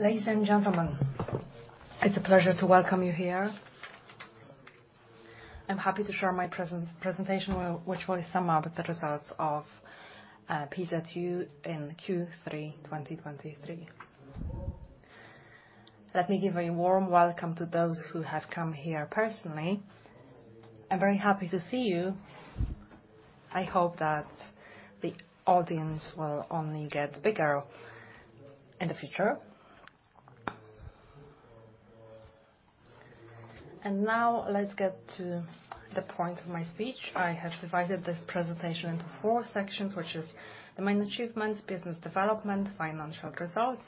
Ladies and gentlemen, it's a pleasure to welcome you here. I'm happy to share my presentation, which will sum up the results of PZU in Q3 2023. Let me give a warm welcome to those who have come here personally. I'm very happy to see you. I hope that the audience will only get bigger in the future. Now let's get to the point of my speech. I have divided this presentation into four sections, which is the main achievements, business development, financial results,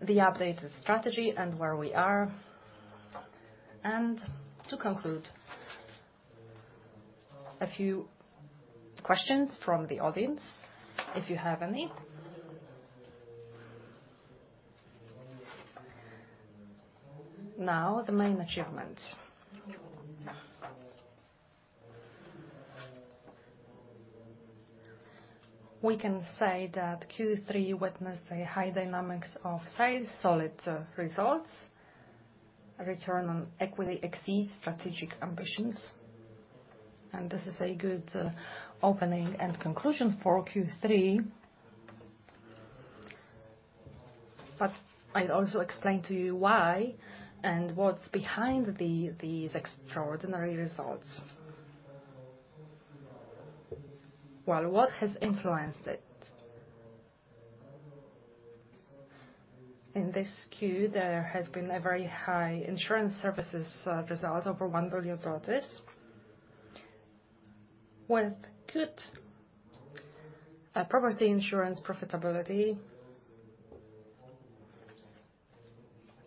the updated strategy, and where we are. To conclude, a few questions from the audience, if you have any. Now, the main achievements. We can say that Q3 witnessed a high dynamics of sales, solid results, a return on equity exceeds strategic ambitions, and this is a good opening and conclusion for Q3. But I'll also explain to you why and what's behind these extraordinary results. Well, what has influenced it? In this Q, there has been a very high insurance services result, over 1 billion zlotys. With good property insurance profitability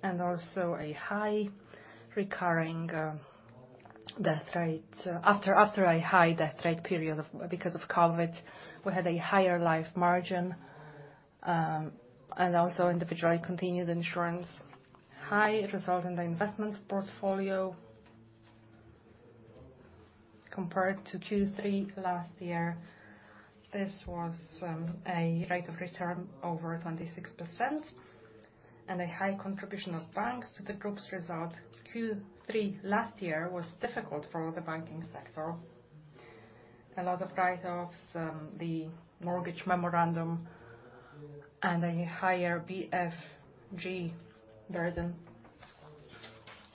and also a high recurring death rate. After a high death rate period of... Because of COVID, we had a higher life margin, and also individually continued insurance. High result in the investment portfolio. Compared to Q3 last year, this was a rate of return over 26% and a high contribution of banks to the group's result. Q3 last year was difficult for the banking sector. A lot of write-offs, the mortgage memorandum and a high BFG burden,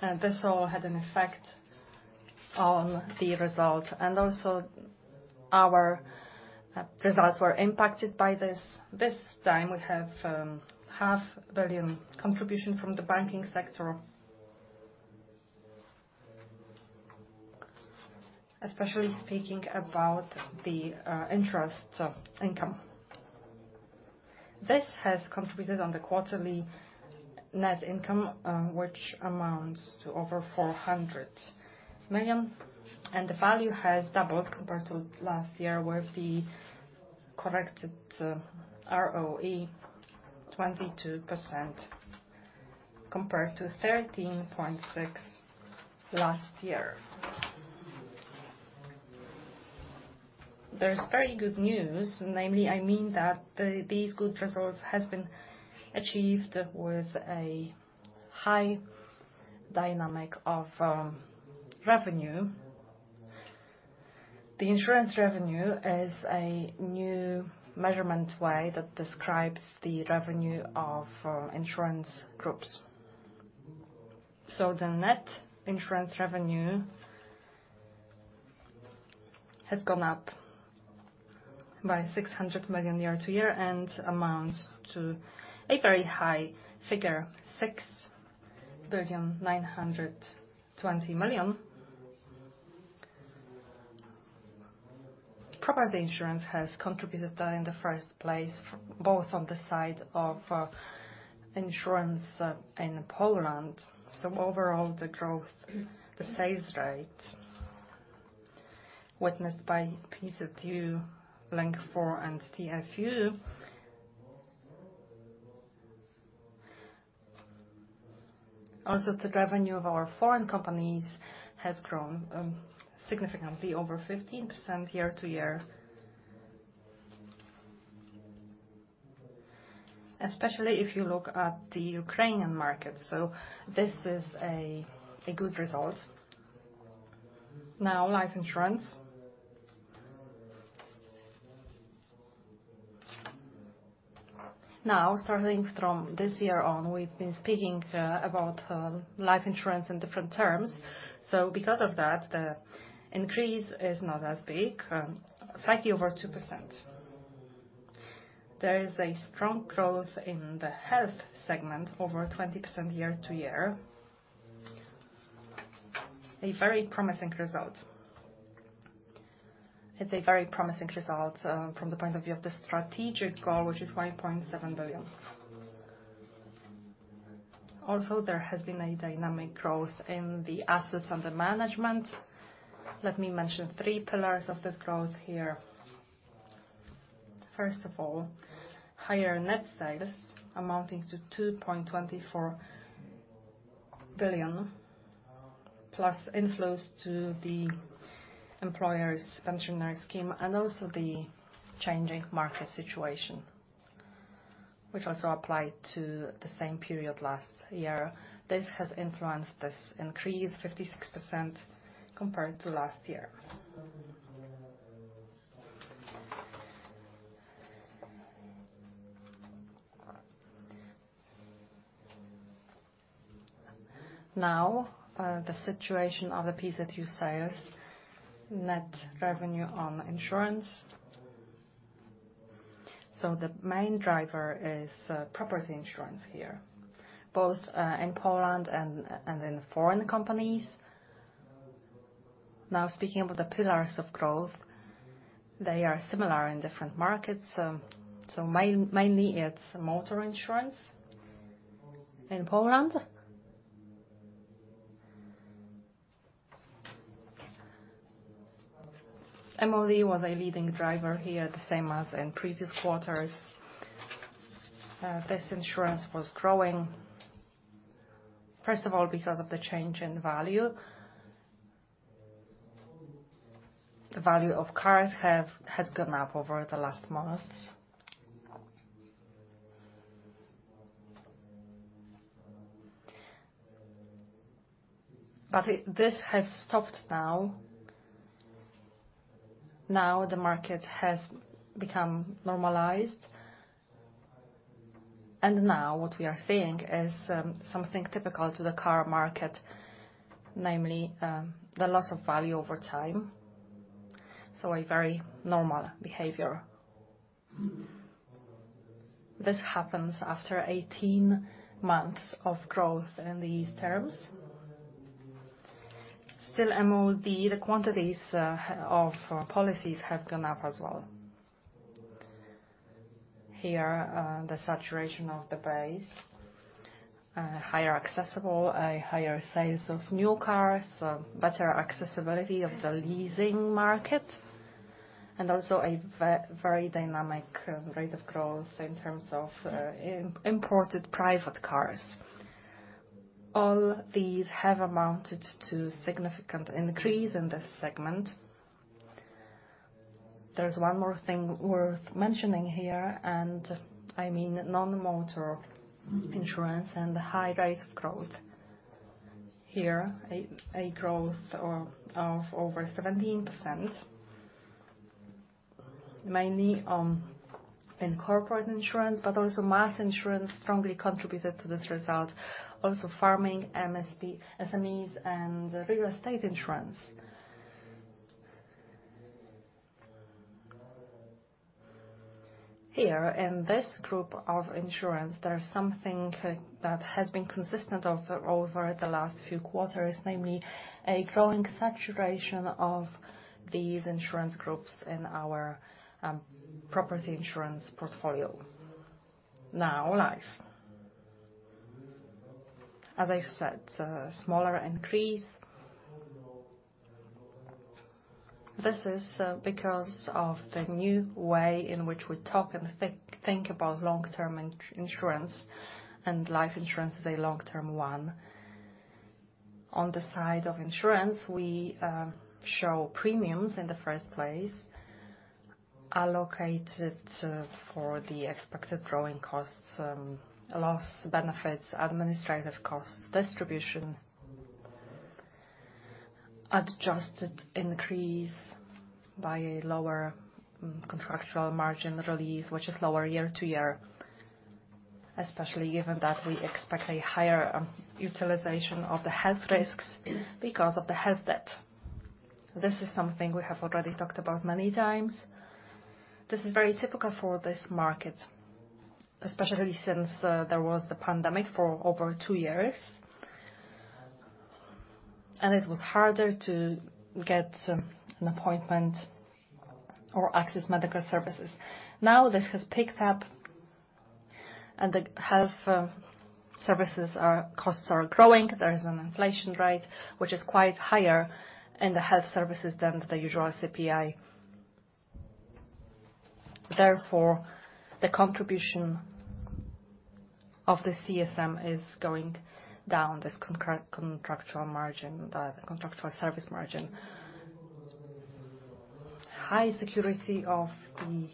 and this all had an effect on the result. Also, our results were impacted by this. This time we have 500 million contribution from the banking sector. Especially speaking about the interest income. This has contributed on the quarterly net income, which amounts to over 400 million, and the value has doubled compared to last year, where the corrected ROE 22%, compared to 13.6% last year. There's very good news, namely, I mean that these good results has been achieved with a high dynamic of revenue. The insurance revenue is a new measurement way that describes the revenue of insurance groups. So the net insurance revenue has gone up by 600 million year-over-year and amounts to a very high figure, 6.92 billion. Property insurance has contributed that in the first place, both on the side of insurance in Poland. So overall, the growth, the sales rate witnessed by PZU, LINK4, and TFI. Also, the revenue of our foreign companies has grown significantly over 15% year-over-year. Especially if you look at the Ukrainian market, so this is a good result. Now, life insurance. Now, starting from this year on, we've been speaking about life insurance in different terms. So because of that, the increase is not as big, slightly over 2%. There is a strong growth in the health segment, over 20% year-over-year. A very promising result. It's a very promising result from the point of view of the strategic goal, which is 1.7 billion. Also, there has been a dynamic growth in the assets under management. Let me mention three pillars of this growth here. First of all, higher net sales amounting to 2.24 billion, plus inflows to the employer's pension scheme, and also the changing market situation, which also applied to the same period last year. This has influenced this increase 56% compared to last year. Now, the situation of the PZU sales, net revenue on insurance. So the main driver is property insurance here, both in Poland and in foreign companies. Now, speaking about the pillars of growth, they are similar in different markets. Mainly it's motor insurance in Poland. MOD was a leading driver here, the same as in previous quarters. This insurance was growing, first of all, because of the change in value. The value of cars has gone up over the last months. But this has stopped now. Now the market has become normalized, and now what we are seeing is something typical to the car market, namely, the loss of value over time, so a very normal behavior. This happens after 18 months of growth in these terms. Still, MOD, the quantities of policies have gone up as well. Here, the saturation of the base, higher accessible, a higher sales of new cars, so better accessibility of the leasing market, and also a very dynamic rate of growth in terms of imported private cars. All these have amounted to significant increase in this segment. There's one more thing worth mentioning here, and I mean, non-motor insurance and the high rate of growth. Here, a growth of over 17%, mainly in corporate insurance, but also mass insurance strongly contributed to this result. Also, farming, MSP, SMEs, and real estate insurance. Here, in this group of insurance, there is something that has been consistent over the last few quarters, namely a growing saturation of these insurance groups in our property insurance portfolio. Now, Life. As I said, a smaller increase. This is because of the new way in which we talk and think about long-term insurance, and life insurance is a long-term one. On the side of insurance, we show premiums in the first place, allocated for the expected growing costs, loss, benefits, administrative costs, distribution. Adjusted increase by a lower contractual margin release, which is lower year-over-year, especially given that we expect a higher utilization of the health risks because of the health debt. This is something we have already talked about many times. This is very typical for this market, especially since there was the pandemic for over two years, and it was harder to get an appointment or access medical services. Now, this has picked up, and the health services are... Costs are growing. There is an inflation rate, which is quite higher in the health services than the usual CPI. Therefore, the contribution of the CSM is going down, this contractual margin, the contractual service margin. High security of the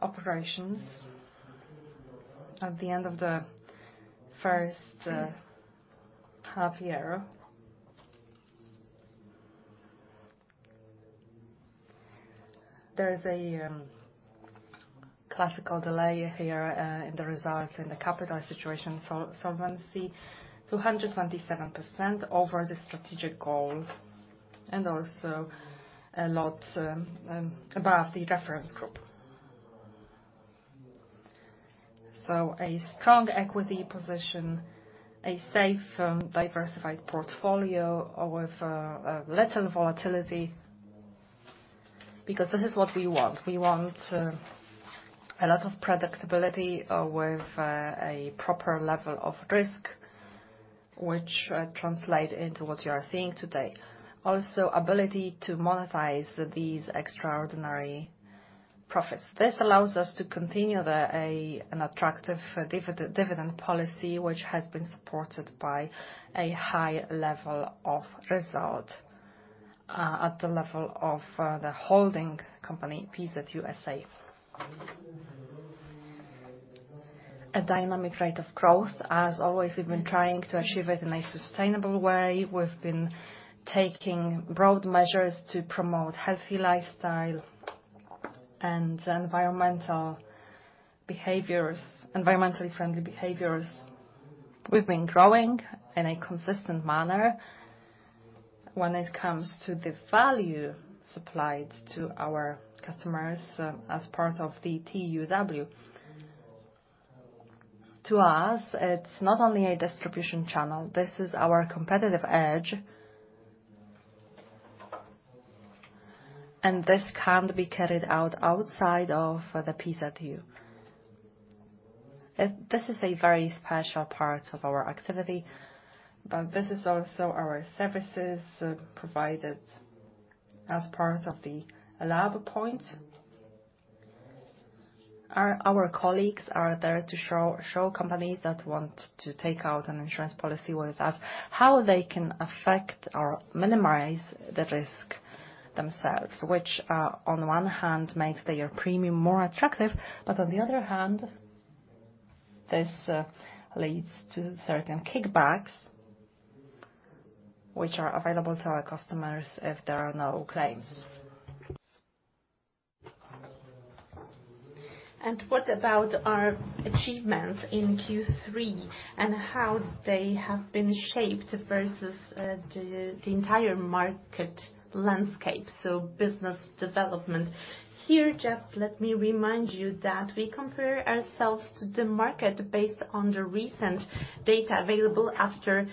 operations at the end of the first half year. There is a classical delay here in the results in the capital situation. So solvency, 227% over the strategic goal, and also a lot above the reference group. So a strong equity position, a safe, diversified portfolio with little volatility, because this is what we want. We want a lot of predictability with a proper level of risk, which translate into what you are seeing today. Also, ability to monetize these extraordinary... profits. This allows us to continue an attractive dividend policy, which has been supported by a high level of result at the level of the holding company, PZU S.A. A dynamic rate of growth. As always, we've been trying to achieve it in a sustainable way. We've been taking broad measures to promote healthy lifestyle and environmental behaviors, environmentally friendly behaviors. We've been growing in a consistent manner when it comes to the value supplied to our customers as part of the TUW. To us, it's not only a distribution channel, this is our competitive edge. And this can't be carried out outside of the PZU. This is a very special part of our activity, but this is also our services provided as part of the LabPoint. Our colleagues are there to show companies that want to take out an insurance policy with us how they can affect or minimize the risk themselves, which on one hand makes their premium more attractive, but on the other hand this leads to certain kickbacks, which are available to our customers if there are no claims. What about our achievements in Q3, and how they have been shaped versus the entire market landscape, so business development? Here, just let me remind you that we compare ourselves to the market based on the recent data available after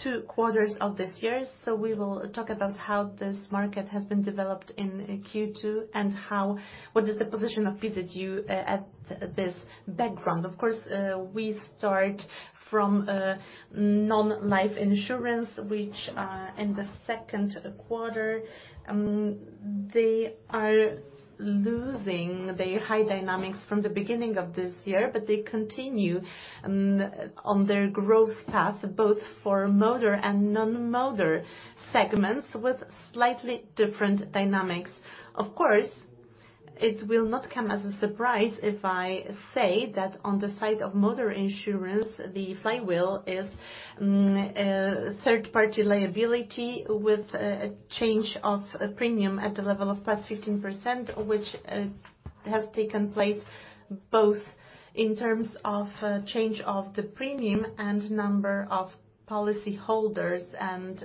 two quarters of this year. We will talk about how this market has been developed in Q2 and how what is the position of PZU at this background. Of course, we start from non-life insurance, which in the second quarter they are losing the high dynamics from the beginning of this year, but they continue on their growth path, both for motor and non-motor segments, with slightly different dynamics. Of course, it will not come as a surprise if I say that on the side of motor insurance, the flywheel is third-party liability with a change of premium at the level of +15%, which has taken place both in terms of change of the premium and number of policyholders and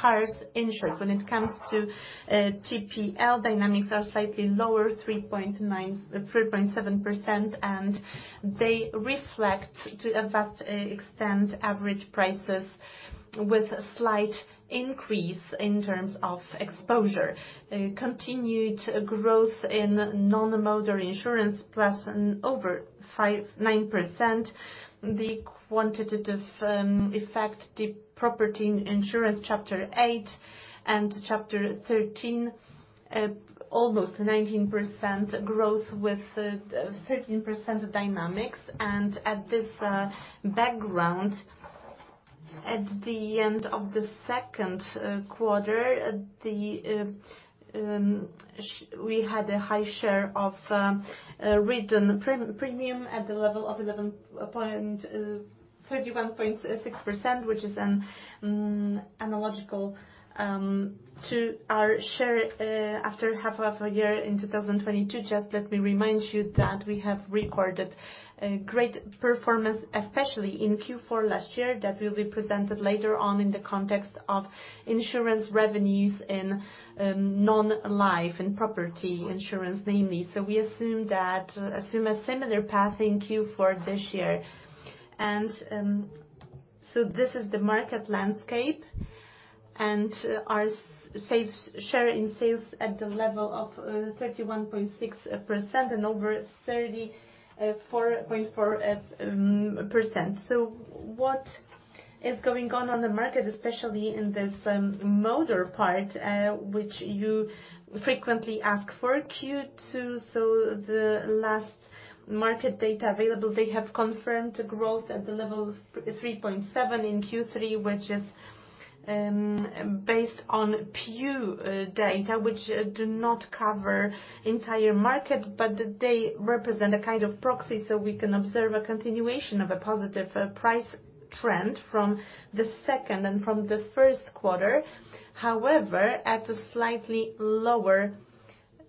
cars insured. When it comes to TPL, dynamics are slightly lower, 3.7%, and they reflect, to a vast extent, average prices with a slight increase in terms of exposure. Continued growth in non-motor insurance, plus over 59%. The quantitative effect, the property insurance, Chapter Eight and Chapter Thirteen, almost 19% growth with 13% dynamics. And at this background, at the end of the second quarter. We had a high share of written premium at the level of 31.6%, which is an analogical to our share after half of a year in 2022. Just let me remind you that we have recorded a great performance, especially in Q4 last year, that will be presented later on in the context of insurance revenues in non-life, in property insurance, mainly. So we assume that assume a similar path in Q4 this year. So this is the market landscape and our sales share in sales at the level of 31.6% and over 34.4%. So what is going on in the market, especially in this motor part, which you frequently ask for Q2, so the last market data available, they have confirmed growth at the level of 3.7 in Q3, which is based on pure data, which do not cover entire market, but they represent a kind of proxy, so we can observe a continuation of a positive price trend from the second and from the first quarter. However, at a slightly lower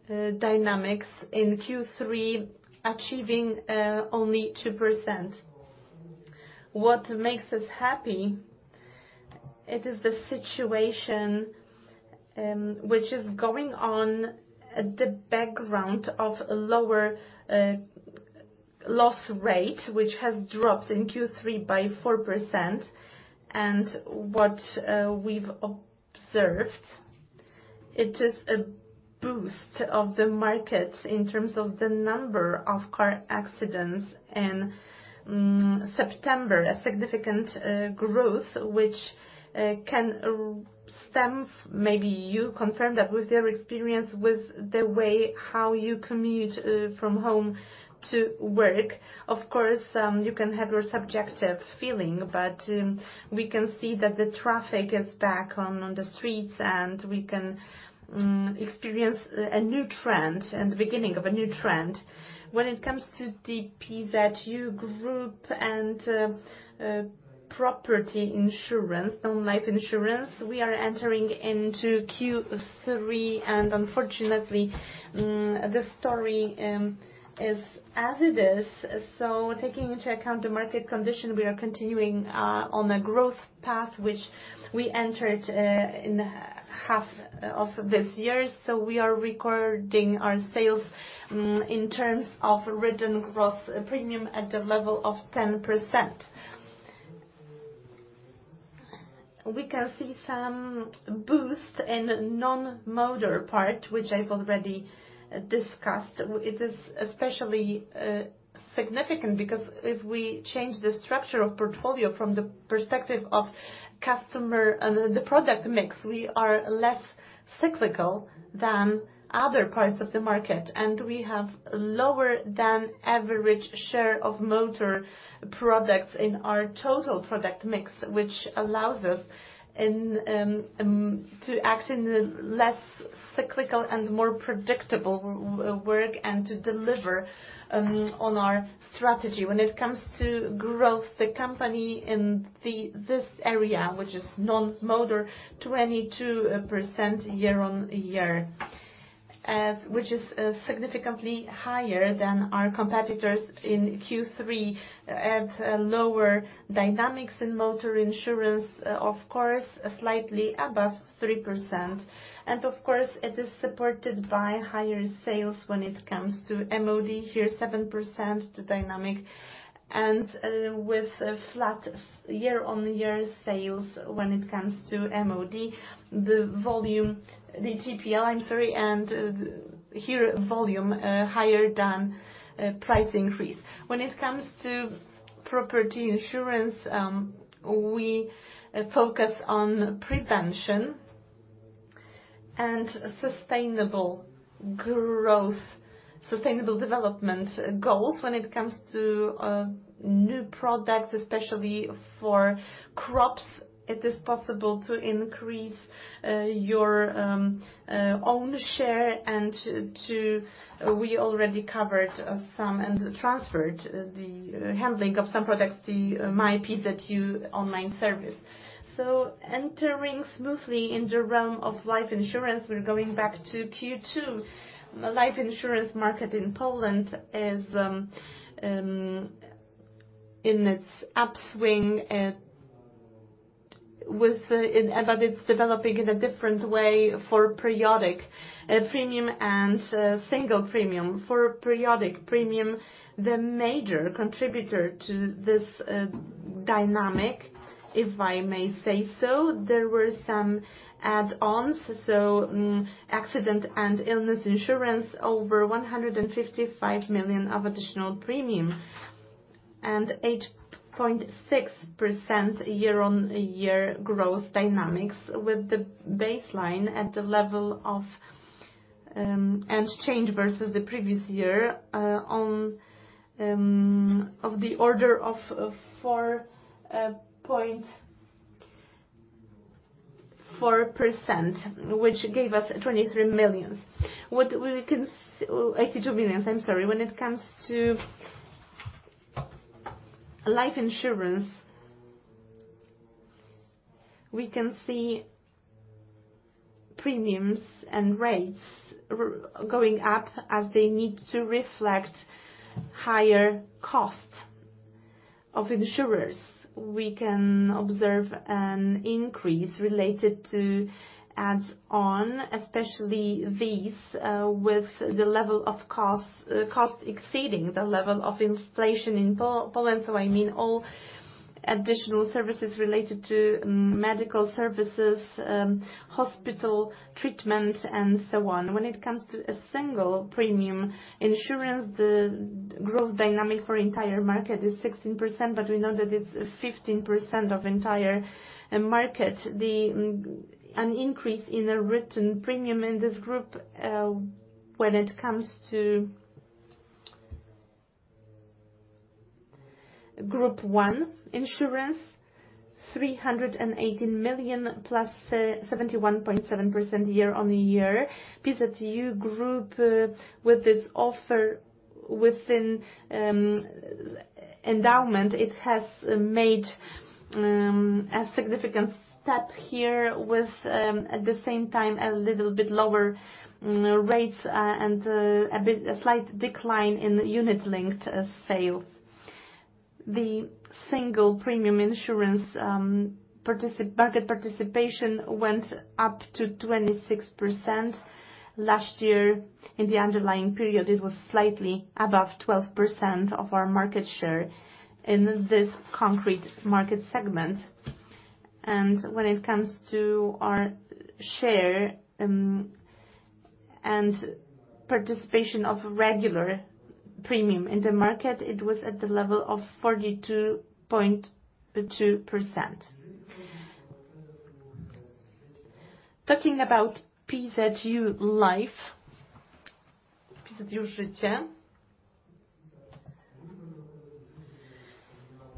dynamics in Q3, achieving only 2%. What makes us happy, it is the situation, which is going on at the background of a lower loss rate, which has dropped in Q3 by 4%. And what we've observed, it is a boost of the market in terms of the number of car accidents in September, a significant growth, which stems, maybe you confirm that with your experience with the way how you commute from home to work. Of course, you can have your subjective feeling, but we can see that the traffic is back on the streets, and we can experience a new trend and the beginning of a new trend. When it comes to the PZU Group and property insurance and life insurance, we are entering into Q3, and unfortunately, the story is as it is. So taking into account the market condition, we are continuing on a growth path, which we entered in half of this year. So we are recording our sales in terms of written growth premium at the level of 10%. We can see some boost in non-motor part, which I've already discussed. It is especially significant because if we change the structure of portfolio from the perspective of customer the product mix, we are less cyclical than other parts of the market, and we have lower than average share of motor products in our total product mix, which allows us to act in a less cyclical and more predictable work and to deliver on our strategy. When it comes to growth, the company in this area, which is non-motor, 22% year-on-year, which is significantly higher than our competitors in Q3, at a lower dynamics in motor insurance, of course, slightly above 3%. And of course, it is supported by higher sales when it comes to MOD, here, 7% the dynamic, and with a flat year-on-year sales when it comes to MOD, the volume, the TPL, I'm sorry, and here, volume higher than price increase. When it comes to property insurance, we focus on prevention and sustainable growth, sustainable development goals. When it comes to new products, especially for crops, it is possible to increase your own share and to. We already covered some and transferred the handling of some products, the MyPZU online service. So entering smoothly in the realm of life insurance, we're going back to Q2. The life insurance market in Poland is in its upswing, but it's developing in a different way for periodic premium and single premium. For periodic premium, the major contributor to this dynamic, if I may say so, there were some add-ons, accident and illness insurance, over 155 million of additional premium, and 8.6% year-on-year growth dynamics, with the baseline at the level of and change versus the previous year on of the order of 4.4%, which gave us 23 million. What we can eighty-two millions, I'm sorry. When it comes to life insurance, we can see premiums and rates going up as they need to reflect higher costs of insurers. We can observe an increase related to add-ons, especially these, with the level of costs, costs exceeding the level of inflation in Poland. So I mean, all additional services related to medical services, hospital treatment, and so on. When it comes to a single premium insurance, the growth dynamic for entire market is 16%, but we know that it's 15% of entire market. An increase in the written premium in this group, when it comes to group one insurance, PLN 318 million plus 71.7% year-on-year. PZU Group, with its offer within, endowment, it has made, a significant step here with, at the same time, a little bit lower, rates, and, a bit- a slight decline in unit-linked, sales. The single premium insurance market participation went up to 26%. Last year, in the underlying period, it was slightly above 12% of our market share in this concrete market segment. When it comes to our share and participation of regular premium in the market, it was at the level of 42.2%. Talking about PZU Życie.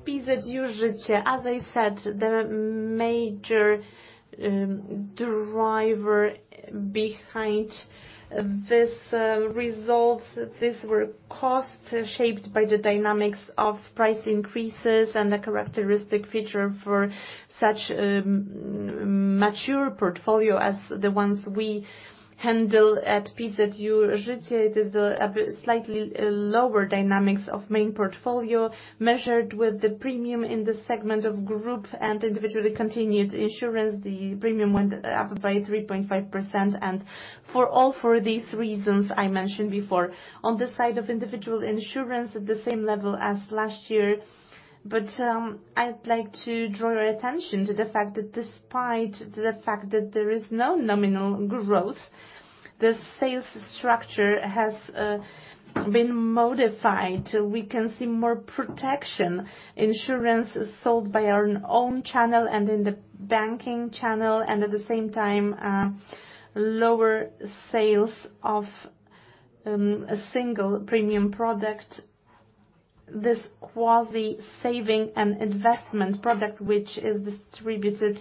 PZU Życie, as I said, the major driver behind this results, this were costs shaped by the dynamics of price increases and the characteristic feature for such mature portfolio as the ones we handle at PZU Życie, it is a slightly lower dynamics of main portfolio measured with the premium in the segment of group and individually continued insurance. The premium went up by 3.5%, and for all these reasons I mentioned before. On the side of individual insurance at the same level as last year, but I'd like to draw your attention to the fact that despite the fact that there is no nominal growth, the sales structure has been modified. We can see more protection insurance sold by our own channel and in the banking channel, and at the same time lower sales of a single premium product. This quasi-saving and investment product, which is distributed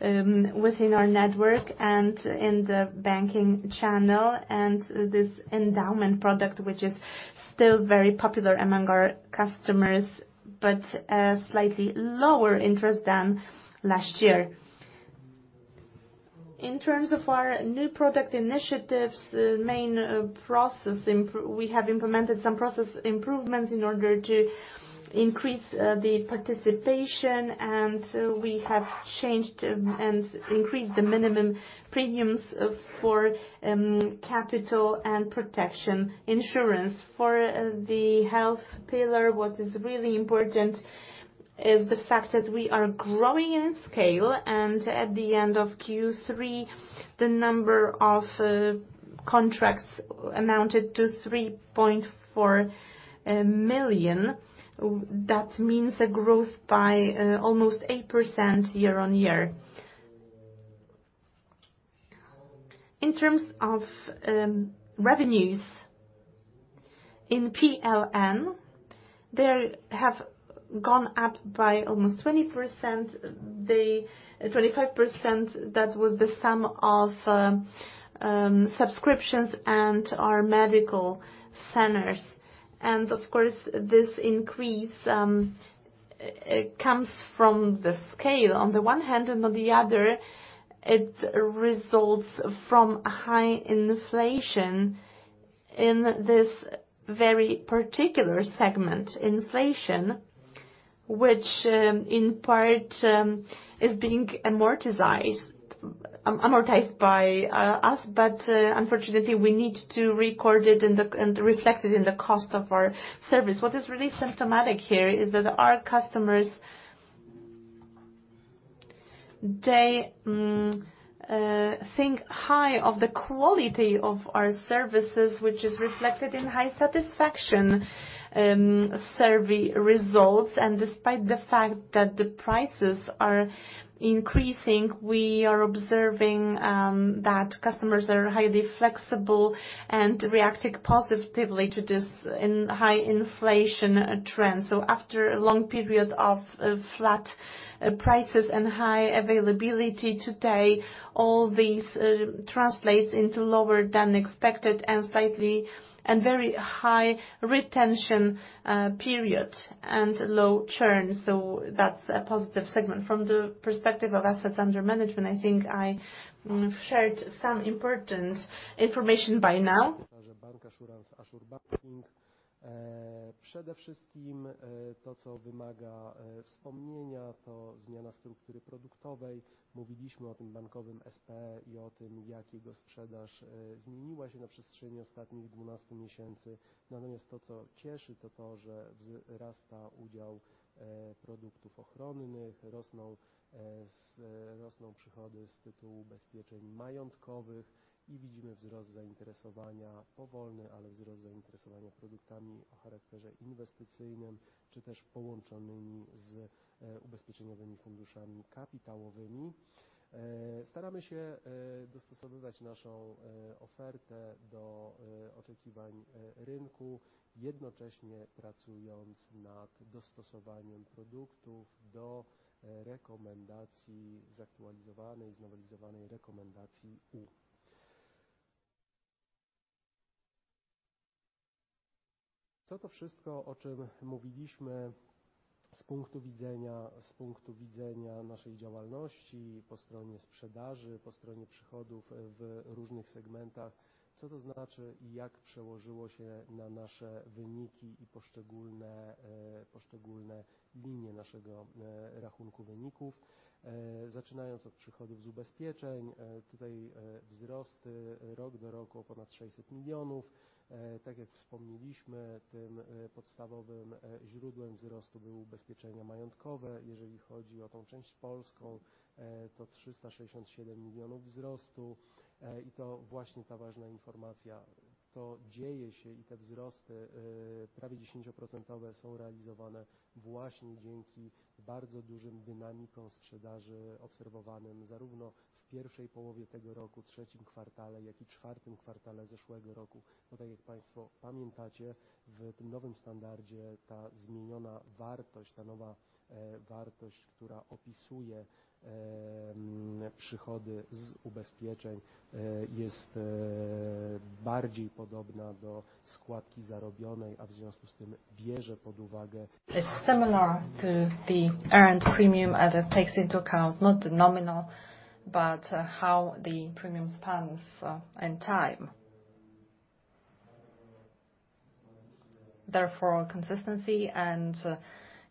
within our network and in the banking channel, and this endowment product, which is still very popular among our customers, but a slightly lower interest than last year. In terms of our new product initiatives, the main process improvements we have implemented in order to increase the participation, and we have changed and increased the minimum premiums for capital and protection insurance. For the health pillar, what is really important is the fact that we are growing in scale, and at the end of Q3, the number of contracts amounted to 3.4 million. That means a growth by almost 8% year-over-year. In terms of revenues in PLN, they have gone up by almost 20%. The 25%, that was the sum of subscriptions and our medical centers. And of course, this increase comes from the scale on the one hand, and on the other, it results from high inflation in this very particular segment. Inflation, which in part is being amortized by us, but unfortunately, we need to record it in the -- and reflect it in the cost of our service. What is really symptomatic here is that our customers, they, think high of the quality of our services, which is reflected in high satisfaction survey results. Despite the fact that the prices are increasing, we are observing that customers are highly flexible and reacting positively to this in high inflation trend. So after a long period of flat prices and high availability, today, all these translates into lower than expected and slightly and very high retention period and low churn. So that's a positive segment. From the perspective of assets under management, I think I shared some important information by now. Bancassurance, assurance banking. Przede wszystkim, to co wymaga wspomnienia, to zmiana struktury produktowej. Mówiliśmy o tym bankowym SPE i o tym, jak jego sprzedaż zmieniła się na przestrzeni ostatnich 12 miesięcy. Natomiast to, co cieszy, to to, że wzrasta udział produktów ochronnych, rosną przychody z tytułu ubezpieczeń majątkowych i widzimy wzrost zainteresowania. Powolny, ale wzrost zainteresowania produktami o charakterze inwestycyjnym czy też połączonymi z ubezpieczeniowymi funduszami kapitałowymi. Staramy się dostosowywać naszą ofertę do oczekiwań rynku, jednocześnie pracując nad dostosowaniem produktów do rekomendacji, zaktualizowanej, znowelizowanej rekomendacji U. Co to wszystko, o czym mówiliśmy z punktu widzenia naszej działalności? Po stronie sprzedaży, po stronie przychodów w różnych segmentach. Co to znaczy i jak przełożyło się na nasze wyniki i poszczególne linie naszego rachunku wyników? Zaczynając od przychodów z ubezpieczeń, tutaj wzrost rok do roku o ponad 600 milionów. Tak jak wspomnieliśmy, tym podstawowym źródłem wzrostu były ubezpieczenia majątkowe. Jeżeli chodzi o tę część polską, to 367 milionów wzrostu. I to właśnie ta ważna informacja. To dzieje się i te wzrosty prawie 10-procentowe są realizowane właśnie dzięki bardzo dużym dynamikom sprzedaży obserwowanym zarówno w pierwszej połowie tego roku, trzecim kwartale, jak i czwartym kwartale zeszłego roku. Bo tak jak Państwo pamiętacie, w tym nowym standardzie ta zmieniona wartość, ta nowa wartość, która opisuje przychody z ubezpieczeń, jest bardziej podobna do składki zarobionej, a w związku z tym bierze pod uwagę. It's similar to the earned premium as it takes into account not the nominal, but how the premium spans in time. Therefore, consistency and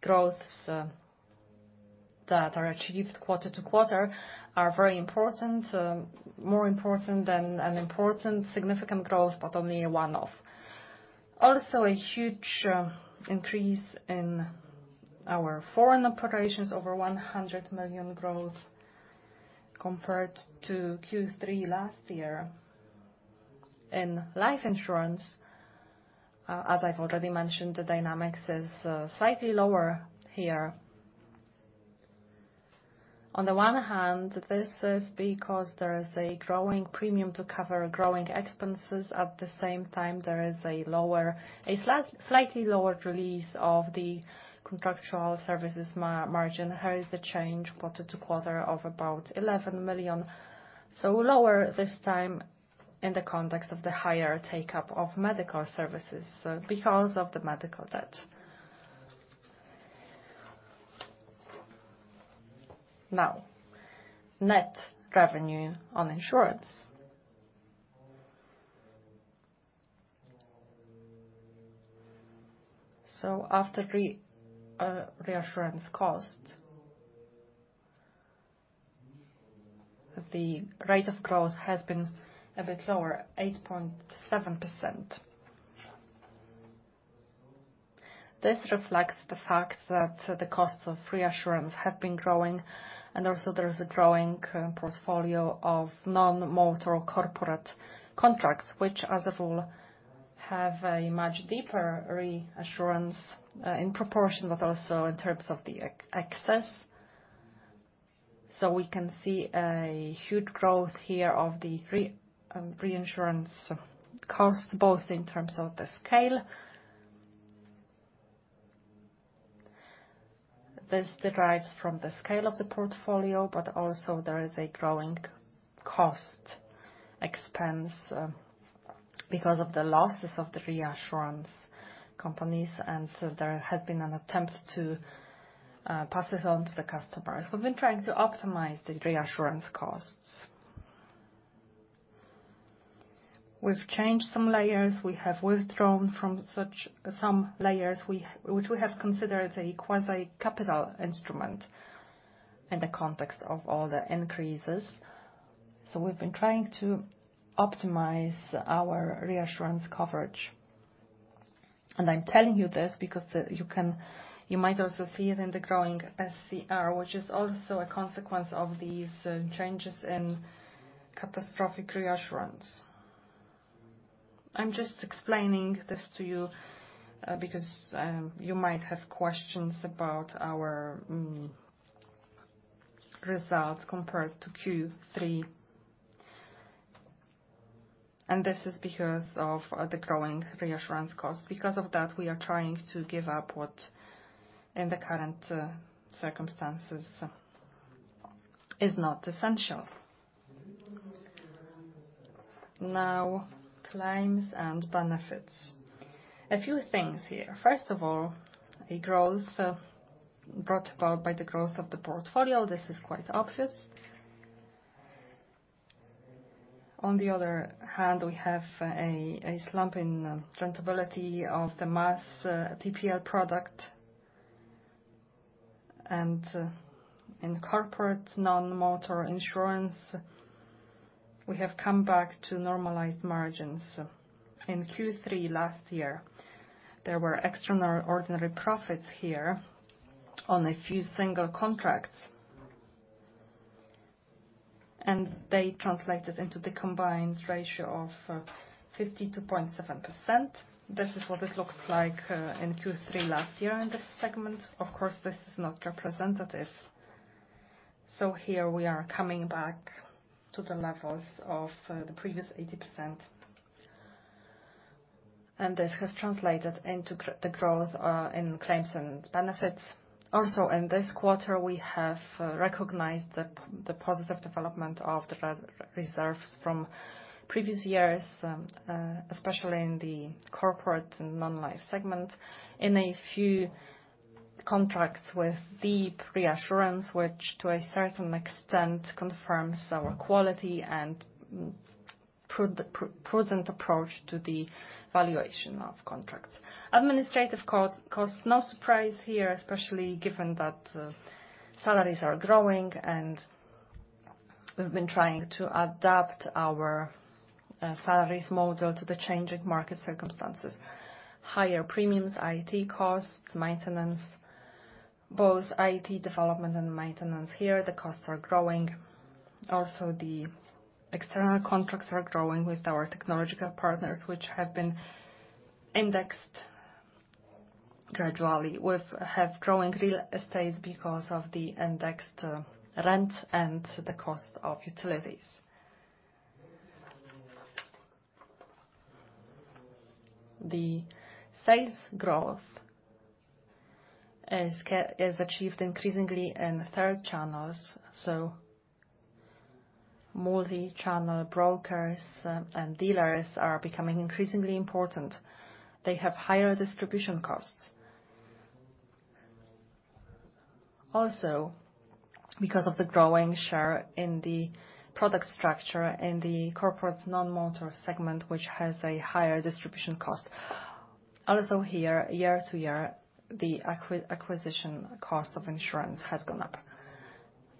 growths that are achieved quarter to quarter are very important, more important than an important significant growth, but only a one-off. Also, a huge increase in our foreign operations, over 100 million growth compared to Q3 last year. In life insurance, as I've already mentioned, the dynamics is slightly lower here. On the one hand, this is because there is a growing premium to cover growing expenses. At the same time, there is a slightly lower release of the contractual service margin. Here is the change quarter to quarter of about 11 million. So lower this time in the context of the higher take-up of medical services, so because of the medical debt. Now, net revenue on insurance. So after reinsurance cost, the rate of growth has been a bit lower, 8.7%. This reflects the fact that the costs of reinsurance have been growing, and also there is a growing portfolio of non-motor corporate contracts, which, as a rule, have a much deeper reinsurance in proportion, but also in terms of the excess. So we can see a huge growth here of the reinsurance costs, both in terms of the scale. This derives from the scale of the portfolio, but also there is a growing cost expense because of the losses of the reinsurance companies, and so there has been an attempt to pass this on to the customers. We've been trying to optimize the reinsurance costs. We've changed some layers, we have withdrawn from such some layers, which we have considered a quasi-capital instrument in the context of all the increases. So we've been trying to optimize our reinsurance coverage. And I'm telling you this because you might also see it in the growing SCR, which is also a consequence of these changes in catastrophic reinsurance. I'm just explaining this to you because you might have questions about our results compared to Q3. And this is because of the growing reinsurance cost. Because of that, we are trying to give up what, in the current circumstances, is not essential. Now, claims and benefits. A few things here. First of all, a growth brought about by the growth of the portfolio. This is quite obvious. On the other hand, we have a slump in profitability of the mass TPL product. In corporate non-motor insurance, we have come back to normalized margins. In Q3 last year, there were extraordinary profits here on a few single contracts, and they translated into the combined ratio of 52.7%. This is what it looked like in Q3 last year in this segment. Of course, this is not representative. So here we are coming back to the levels of the previous 80%. And this has translated into the growth in claims and benefits. Also, in this quarter, we have recognized the positive development of the reserves from-... previous years, especially in the corporate and non-life segment, in a few contracts with deep reinsurance, which to a certain extent confirms our quality and prudent approach to the valuation of contracts. Administrative costs, no surprise here, especially given that salaries are growing, and we've been trying to adapt our salaries model to the changing market circumstances. Higher premiums, IT costs, maintenance, both IT development and maintenance. Here, the costs are growing. Also, the external contracts are growing with our technological partners, which have been indexed gradually, with growing real estate because of the indexed rent and the cost of utilities. The sales growth is achieved increasingly in third-party channels, so multi-channel brokers and dealers are becoming increasingly important. They have higher distribution costs. Also, because of the growing share in the product structure in the corporate non-motor segment, which has a higher distribution cost. Also here, year-to-year, the acquisition cost of insurance has gone up.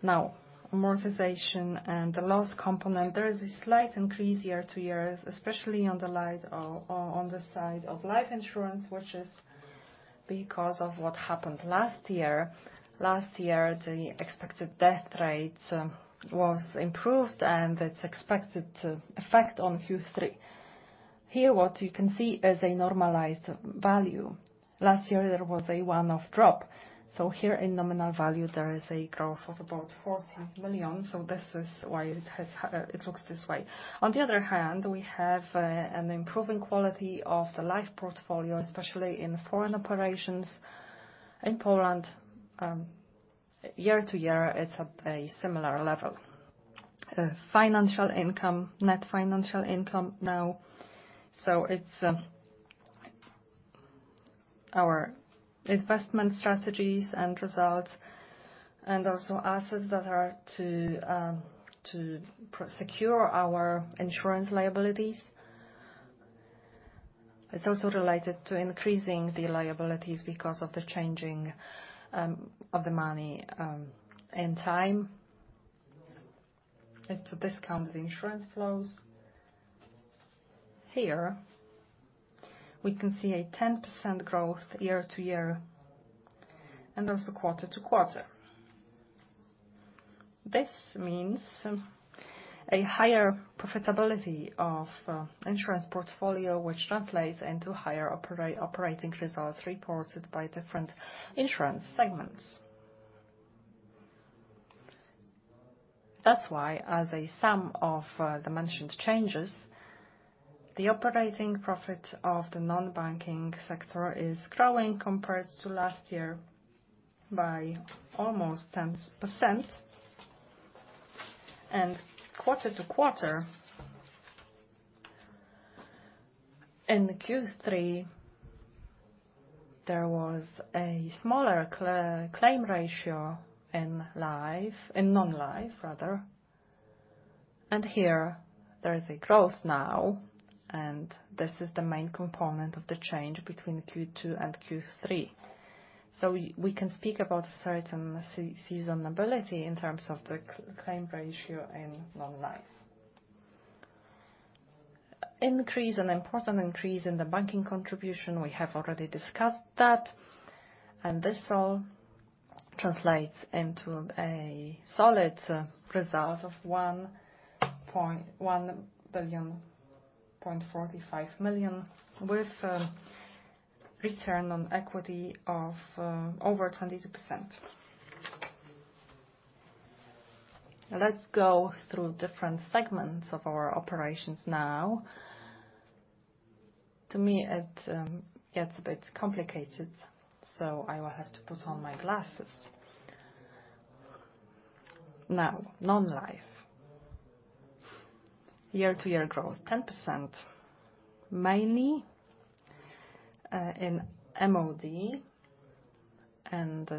Now, amortization and the loss component, there is a slight increase year-to-year, especially on the life side of life insurance, which is because of what happened last year. Last year, the expected death rate was improved and it's expected to affect on Q3. Here, what you can see is a normalized value. Last year, there was a one-off drop, so here in nominal value, there is a growth of about 40 million, so this is why it looks this way. On the other hand, we have an improving quality of the life portfolio, especially in foreign operations. In Poland, year-to-year, it's at a similar level. Financial income, net financial income now, so it's our investment strategies and results, and also assets that are to secure our insurance liabilities. It's also related to increasing the liabilities because of the changing of the money and time as to discount the insurance flows. Here, we can see a 10% growth year-to-year and also quarter-to-quarter. This means a higher profitability of insurance portfolio, which translates into higher operating results reported by different insurance segments. That's why, as a sum of the mentioned changes, the operating profit of the non-banking sector is growing compared to last year by almost 10%. And quarter-to-quarter, in Q3, there was a smaller claim ratio in life... In non-life, rather. And here, there is a growth now, and this is the main component of the change between Q2 and Q3. So we can speak about certain seasonality in terms of the claim ratio in non-life. Increase, an important increase in the banking contribution, we have already discussed that, and this all translates into a solid result of 1.045 billion, with a return on equity of over 22%. Let's go through different segments of our operations now. To me, it gets a bit complicated, so I will have to put on my glasses. Now, non-life. Year-to-year growth, 10%, mainly in MOD, and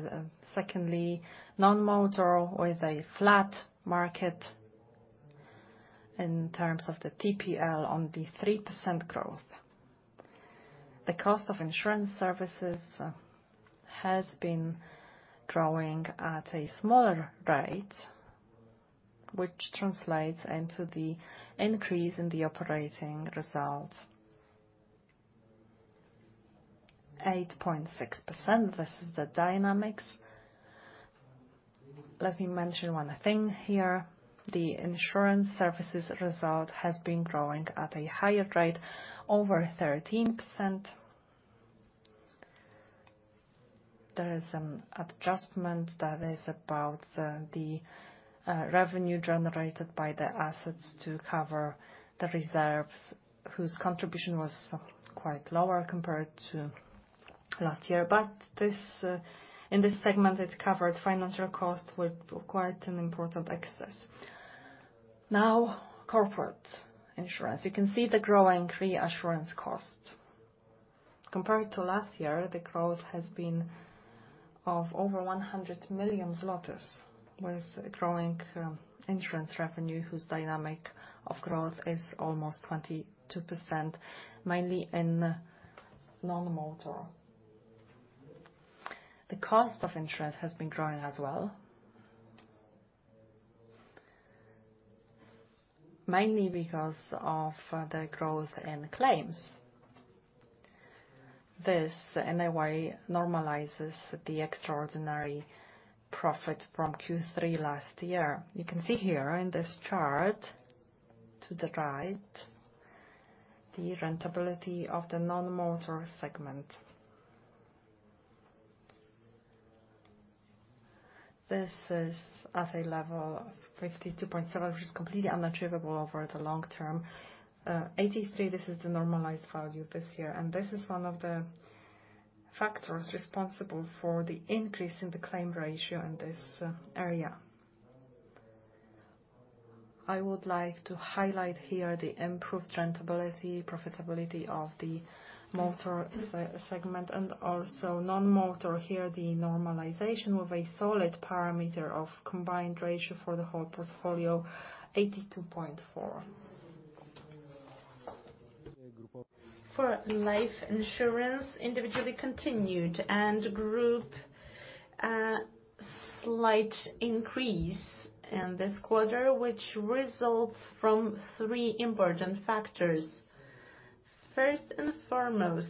secondly, non-motor with a flat market in terms of the TPL on the 3% growth. The cost of insurance services has been growing at a smaller rate, which translates into the increase in the operating results. 8.6%, this is the dynamics. Let me mention one thing here: the insurance services result has been growing at a higher rate, over 13%. There is an adjustment that is about revenue generated by the assets to cover the reserves, whose contribution was quite lower compared to-... Last year, but this in this segment, it covered financial costs with quite an important excess. Now, corporate insurance. You can see the growing reinsurance costs. Compared to last year, the growth has been of over 100 million zlotys, with growing insurance revenue, whose dynamic of growth is almost 22%, mainly in non-motor. The cost of insurance has been growing as well, mainly because of the growth in claims. This NOI normalizes the extraordinary profit from Q3 last year. You can see here in this chart, to the right, the rentability of the non-motor segment. This is at a level of 52.7, which is completely unachievable over the long term. 83, this is the normalized value this year, and this is one of the factors responsible for the increase in the claim ratio in this area. I would like to highlight here the improved rentability, profitability of the motor segment and also non-motor. Here, the normalization with a solid parameter of combined ratio for the whole portfolio, 82.4%. For life insurance, individually continued and group, slight increase in this quarter, which results from three important factors. First and foremost,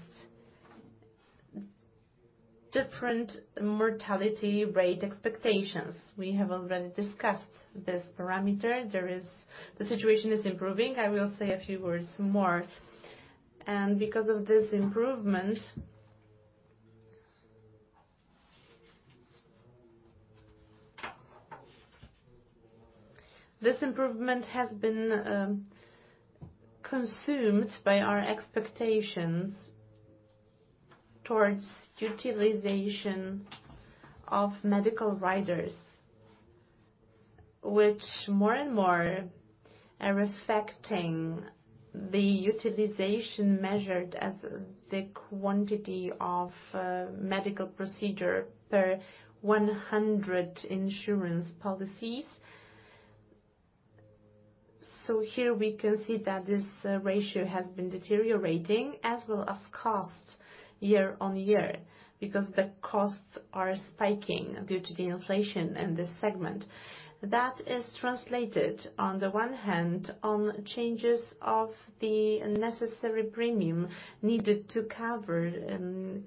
different mortality rate expectations. We have already discussed this parameter. The situation is improving. I will say a few words more. And because of this improvement, this improvement has been consumed by our expectations towards utilization of medical riders, which more and more are affecting the utilization measured as the quantity of medical procedure per 100 insurance policies. So here we can see that this ratio has been deteriorating as well as costs year-on-year, because the costs are spiking due to the inflation in this segment. That is translated, on the one hand, on changes of the necessary premium needed to cover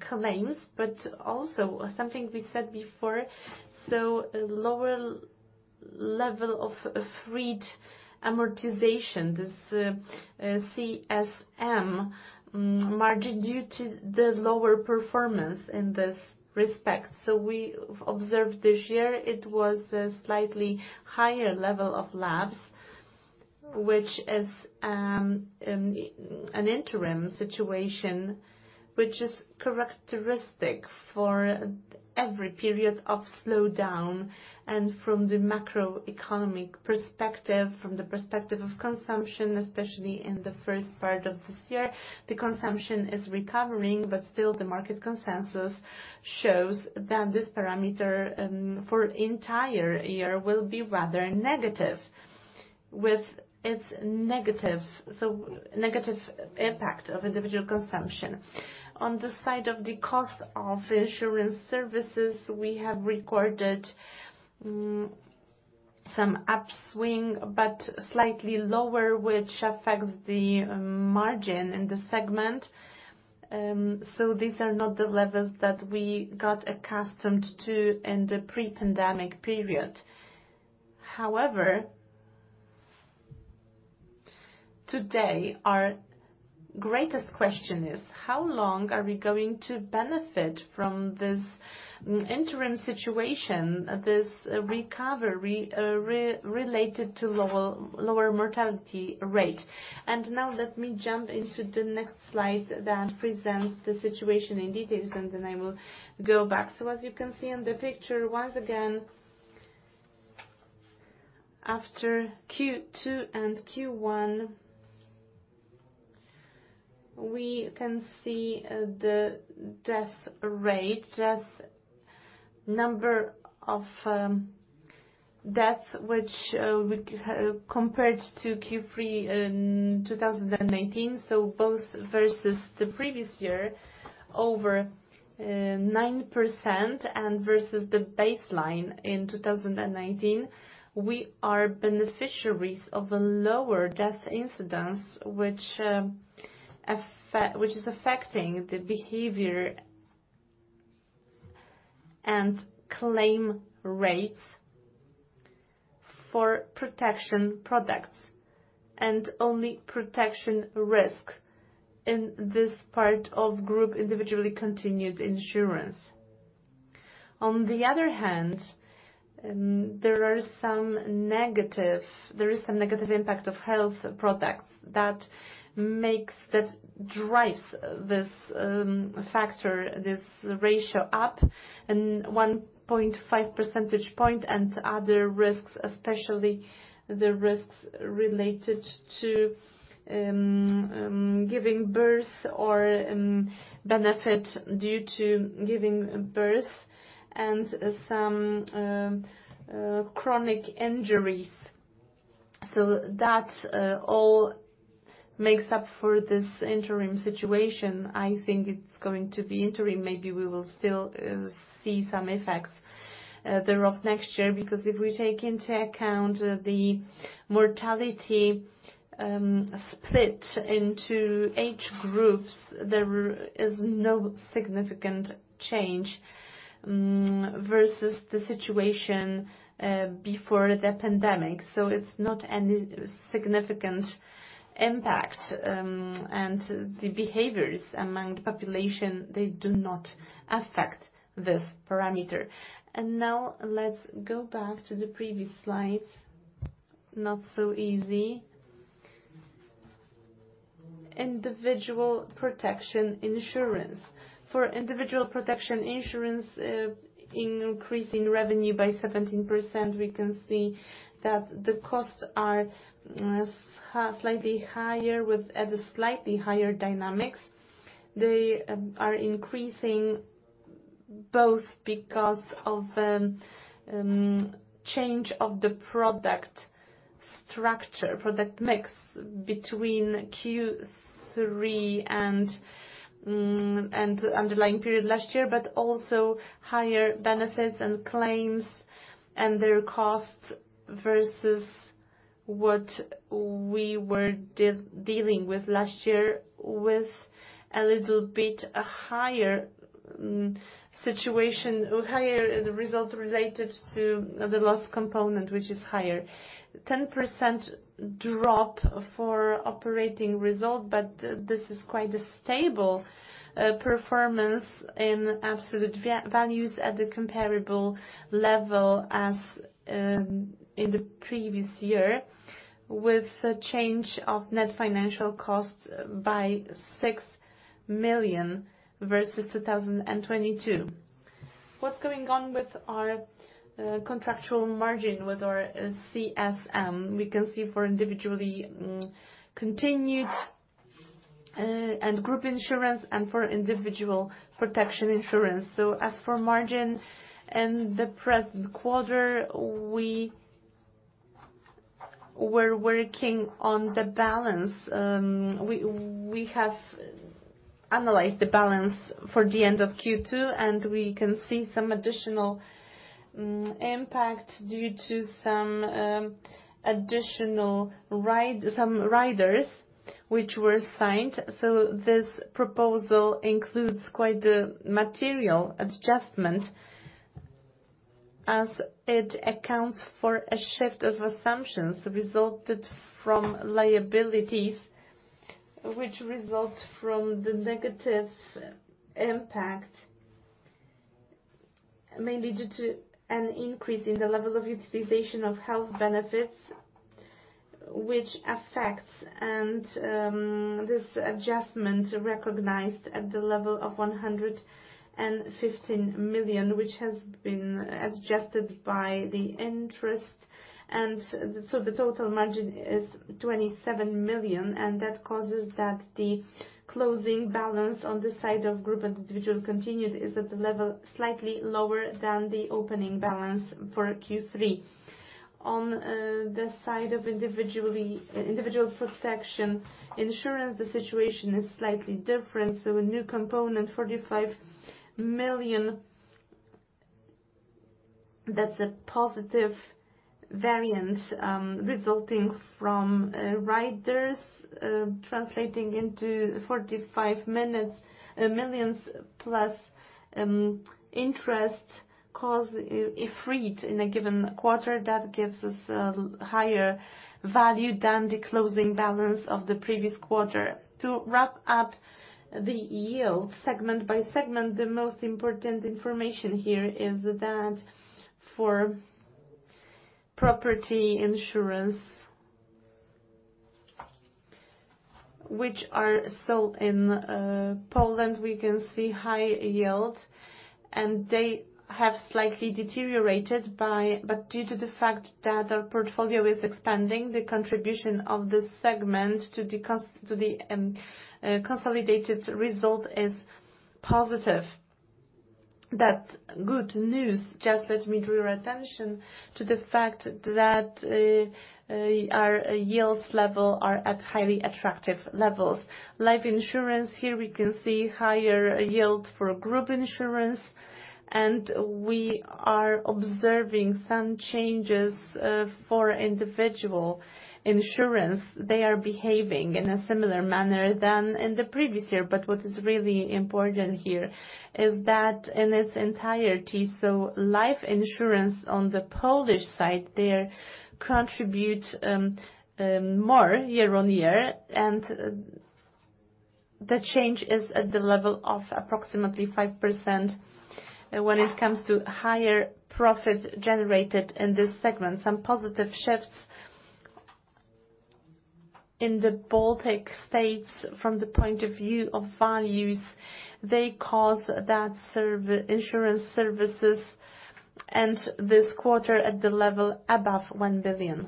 claims, but also something we said before, so a lower level of freed amortization, this CSM margin, due to the lower performance in this respect. So we observed this year it was a slightly higher level of lapses, which is an interim situation, which is characteristic for every period of slowdown and from the macroeconomic perspective, from the perspective of consumption, especially in the first part of this year. The consumption is recovering, but still the market consensus shows that this parameter for entire year will be rather negative, with its negative, so negative impact of individual consumption. On the side of the cost of insurance services, we have recorded some upswing, but slightly lower, which affects the margin in the segment. These are not the levels that we got accustomed to in the pre-pandemic period. However, today, our greatest question is how long are we going to benefit from this interim situation, this recovery, re-related to lower, lower mortality rate? Now let me jump into the next slide that presents the situation in details, and then I will go back. As you can see in the picture, once again, after Q2 and Q1, we can see the death rate, death... Number of deaths, which we compared to Q3 in 2018, so both versus the previous year, over 9% and versus the baseline in 2019, we are beneficiaries of a lower death incidence, which is affecting the behavior and claim rates for protection products and only protection risk in this part of group individually continued insurance. On the other hand, there are some negative, there is some negative impact of health products that drives this factor, this ratio up 1.5 percentage point and other risks, especially the risks related to giving birth or benefit due to giving birth and some chronic injuries. So that all makes up for this interim situation. I think it's going to be interim. Maybe we will still see some effects thereof next year, because if we take into account the mortality split into age groups, there is no significant change versus the situation before the pandemic. So it's not any significant impact, and the behaviors among the population, they do not affect this parameter. And now let's go back to the previous slide. Not so easy. Individual protection insurance. For individual protection insurance, increasing revenue by 17%, we can see that the costs are slightly higher, with at a slightly higher dynamics. They are increasing both because of change of the product structure, product mix between Q3 and underlying period last year, but also higher benefits and claims and their costs versus what we were dealing with last year, with a little bit higher situation or higher as a result related to the loss component, which is higher. 10% drop for operating result, but this is quite a stable performance in absolute values at a comparable level as in the previous year, with a change of net financial costs by 6 million versus 2022. What's going on with our contractual margin, with our CSM? We can see for individual continued and group insurance and for individual protection insurance. So as for margin and the present quarter, we were working on the balance. We have analyzed the balance for the end of Q2, and we can see some additional impact due to some additional riders which were signed. So this proposal includes quite a material adjustment, as it accounts for a shift of assumptions resulted from liabilities, which result from the negative impact, mainly due to an increase in the level of utilization of health benefits, which affects, and this adjustment recognized at the level of 115 million, which has been adjusted by the interest. And so the total margin is 27 million, and that causes that the closing balance on the side of group and individual continued is at a level slightly lower than the opening balance for Q3. On the side of individual protection insurance, the situation is slightly different, so a new component, 45 million. That's a positive variance, resulting from riders, translating into 45 million plus interest cause if read in a given quarter, that gives us a higher value than the closing balance of the previous quarter. To wrap up the yield segment by segment, the most important information here is that for property insurance, which are sold in Poland, we can see high yield and they have slightly deteriorated by... But due to the fact that our portfolio is expanding, the contribution of this segment to the cost, to the consolidated result is positive. That's good news. Just let me draw your attention to the fact that our yield level are at highly attractive levels. Life insurance, here we can see higher yield for group insurance, and we are observing some changes for individual insurance. They are behaving in a similar manner than in the previous year. But what is really important here is that in its entirety, so life insurance on the Polish side there contribute more year-on-year. The change is at the level of approximately 5% when it comes to higher profit generated in this segment. Some positive shifts in the Baltic States from the point of view of values, they cause that non-life insurance services, and this quarter at the level above 1 billion.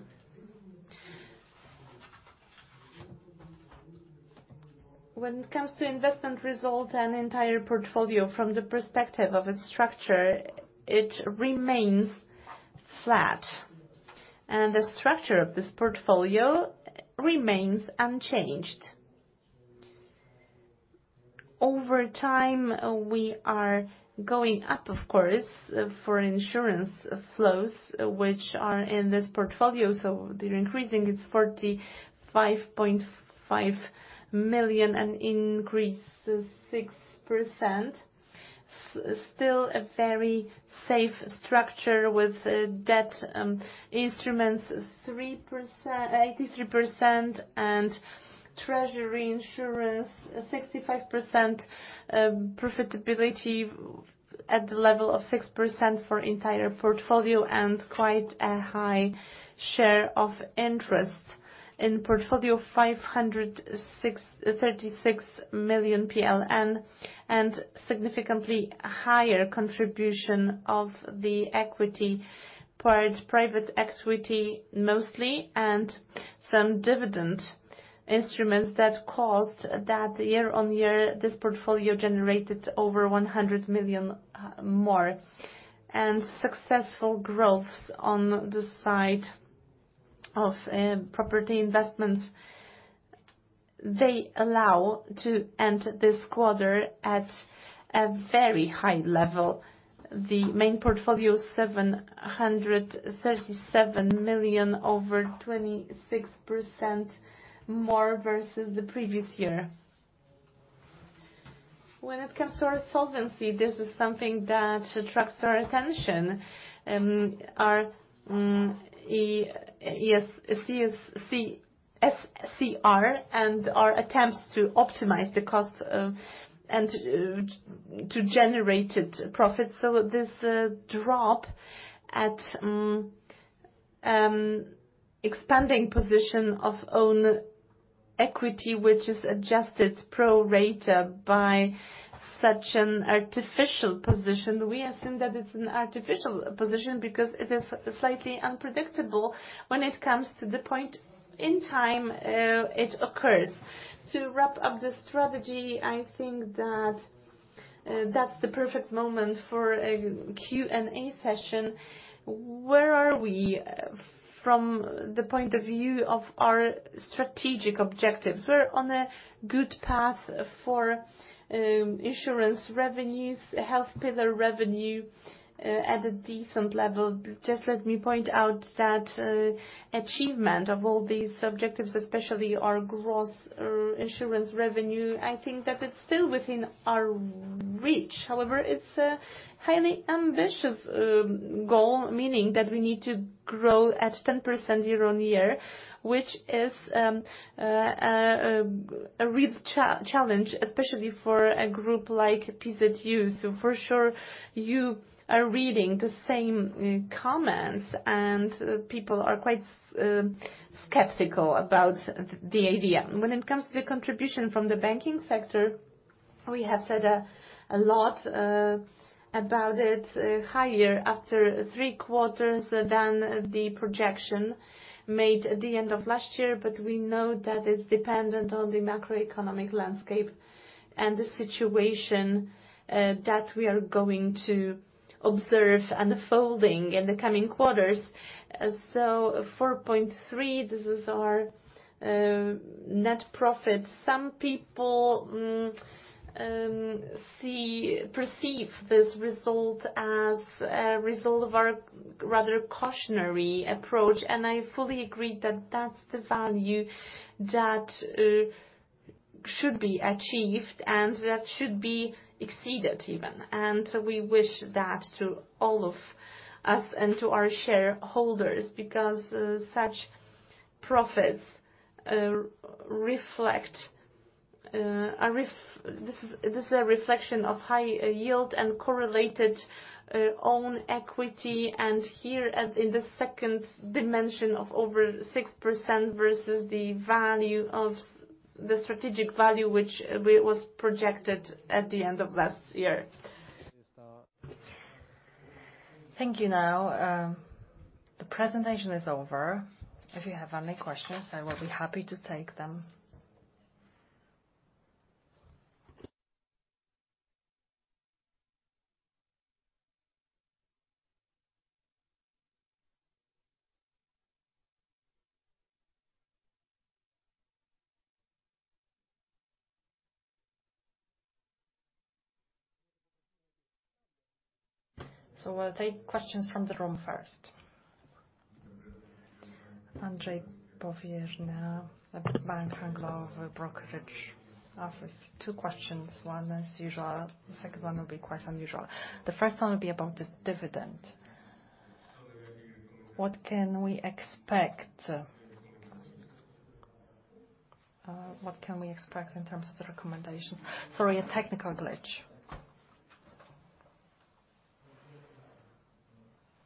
When it comes to investment result and entire portfolio from the perspective of its structure, it remains flat, and the structure of this portfolio remains unchanged. Over time, we are going up, of course, for insurance flows, which are in this portfolio, so they're increasing. It's 45.5 million and increase is 6%. Still a very safe structure with debt instruments 3%-83% and treasury insurance 65%, profitability at the level of 6% for entire portfolio and quite a high share of interest. In portfolio, 566 million PLN and significantly higher contribution of the equity part, private equity mostly, and some dividend instruments that caused that year-on-year, this portfolio generated over 100 million more. And successful growths on the side of property investments, they allow to end this quarter at a very high level. The main portfolio, 737 million, over 26% more versus the previous year. When it comes to our solvency, this is something that attracts our attention, our SCR and our attempts to optimize the cost of and to generate it profit. So this drop at expanding position of own equity, which is adjusted pro rata by such an artificial position. We assume that it's an artificial position because it is slightly unpredictable when it comes to the point in time it occurs. To wrap up the strategy, I think that that's the perfect moment for a Q&A session. Where are we from the point of view of our strategic objectives? We're on a good path for insurance revenues, health pillar revenue at a decent level. Just let me point out that achievement of all these objectives, especially our gross insurance revenue, I think that it's still within our reach. However, it's a highly ambitious goal, meaning that we need to grow at 10% year-on-year, which is a real challenge, especially for a group like PZU. So for sure, you are reading the same comments, and people are quite skeptical about the idea. When it comes to the contribution from the banking sector, we have said a lot about it, higher after three quarters than the projection made at the end of last year, but we know that it's dependent on the macroeconomic landscape and the situation that we are going to observe unfolding in the coming quarters. So 4.3, this is our net profit. Some people perceive this result as a result of our rather cautionary approach, and I fully agree that that's the value that should be achieved and that should be exceeded even. And we wish that to all of us and to our shareholders, because such profits reflect this is, this is a reflection of high yield and correlated own equity, and here, at in the second dimension of over 6% versus the value of the strategic value, which we was projected at the end of last year. Thank you. Now, the presentation is over. If you have any questions, I will be happy to take them. So we'll take questions from the room first. Andrzej Powierża, Bank Handlowy Brokerage Office. Two questions, one as usual, the second one will be quite unusual. The first one will be about the dividend.... What can we expect, what can we expect in terms of the recommendations? Sorry, a technical glitch.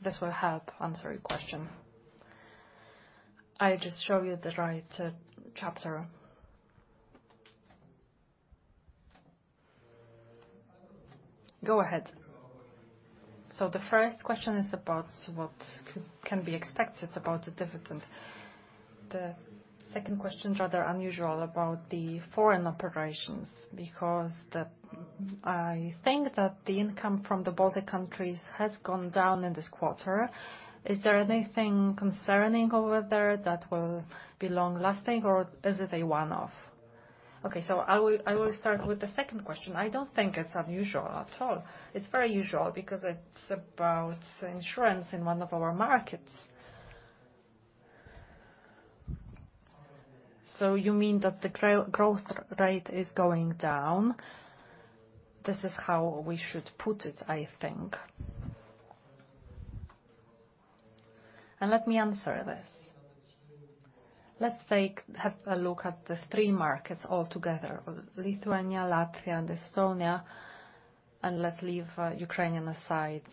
This will help answer your question. I just show you the right, chapter. Go ahead. So the first question is about what can be expected about the dividend. The second question, rather unusual, about the foreign operations, because the, I think that the income from the Baltic countries has gone down in this quarter. Is there anything concerning over there that will be long-lasting, or is it a one-off? Okay, so I will, I will start with the second question. I don't think it's unusual at all. It's very usual because it's about insurance in one of our markets. So you mean that the growth rate is going down? This is how we should put it, I think. And let me answer this. Let's take, have a look at the three markets altogether: Lithuania, Latvia, and Estonia, and let's leave Ukrainian aside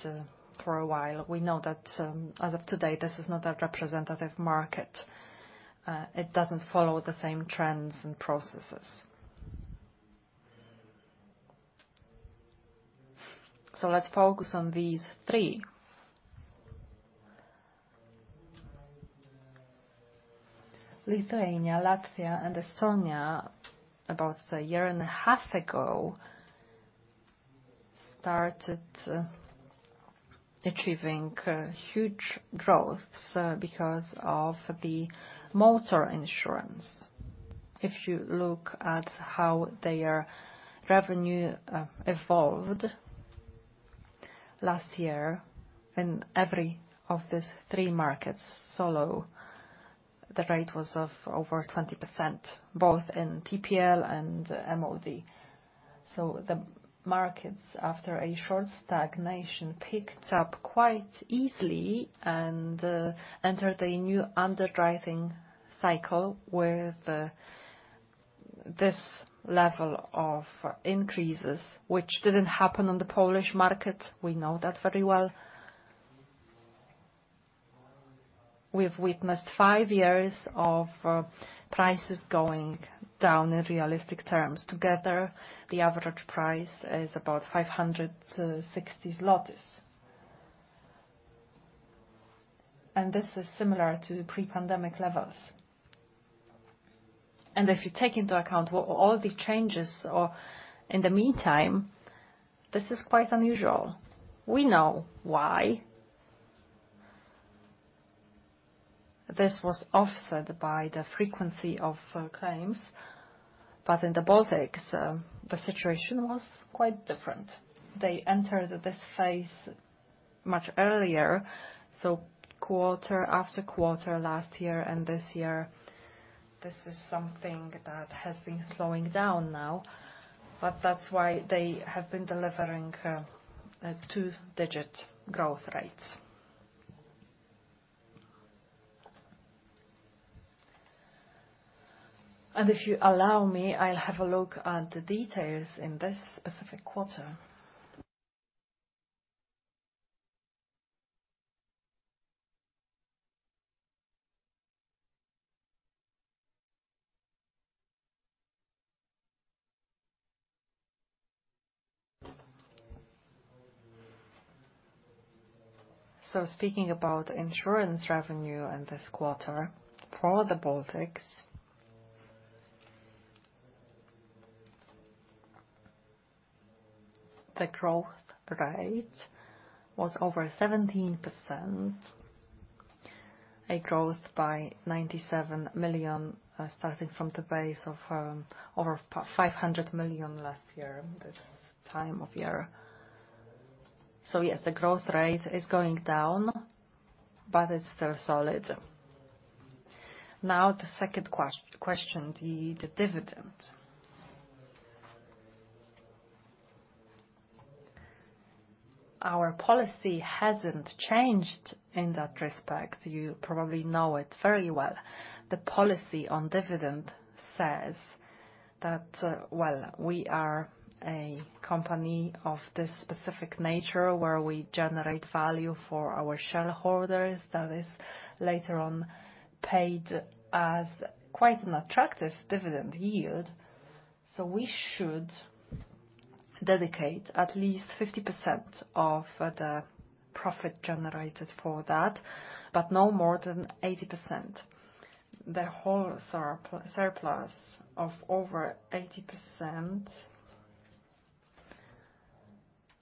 for a while. We know that, as of today, this is not a representative market. It doesn't follow the same trends and processes. So let's focus on these three. Lithuania, Latvia, and Estonia, about a year and a half ago, started achieving huge growth because of the motor insurance. If you look at how their revenue evolved last year, in every of these three markets, solo, the rate was of over 20%, both in TPL and MOD. So the markets, after a short stagnation, picked up quite easily and entered a new underwriting cycle with this level of increases, which didn't happen on the Polish market. We know that very well. We've witnessed five years of prices going down in realistic terms. Together, the average price is about 560 zlotys. And this is similar to pre-pandemic levels. And if you take into account all the changes or in the meantime, this is quite unusual. We know why. This was offset by the frequency of claims, but in the Baltics, the situation was quite different. They entered this phase much earlier, so quarter after quarter, last year and this year, this is something that has been slowing down now, but that's why they have been delivering a two-digit growth rate. And if you allow me, I'll have a look at the details in this specific quarter. So speaking about insurance revenue in this quarter, for the Baltics, the growth rate was over 17%, a growth by 97 million, starting from the base of over 500 million last year, this time of year. So yes, the growth rate is going down, but it's still solid. Now, the second question, the dividend. Our policy hasn't changed in that respect. You probably know it very well. The policy on dividend says that, well, we are a company of this specific nature, where we generate value for our shareholders that is later on paid as quite an attractive dividend yield. So we should dedicate at least 50% of the profit generated for that, but no more than 80%. The whole surplus of over 80%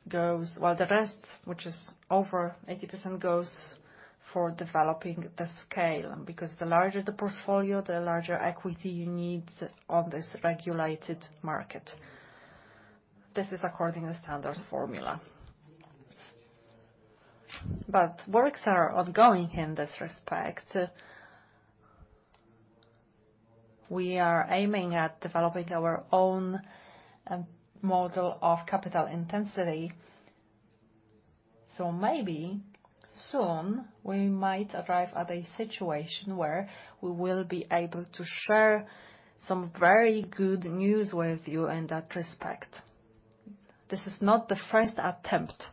goes... While the rest, which is over 80%, goes for developing the scale, because the larger the portfolio, the larger equity you need on this regulated market. This is according to the standard formula. But works are ongoing in this respect. We are aiming at developing our own model of capital intensity. So maybe soon, we might arrive at a situation where we will be able to share some very good news with you in that respect. This is not the first attempt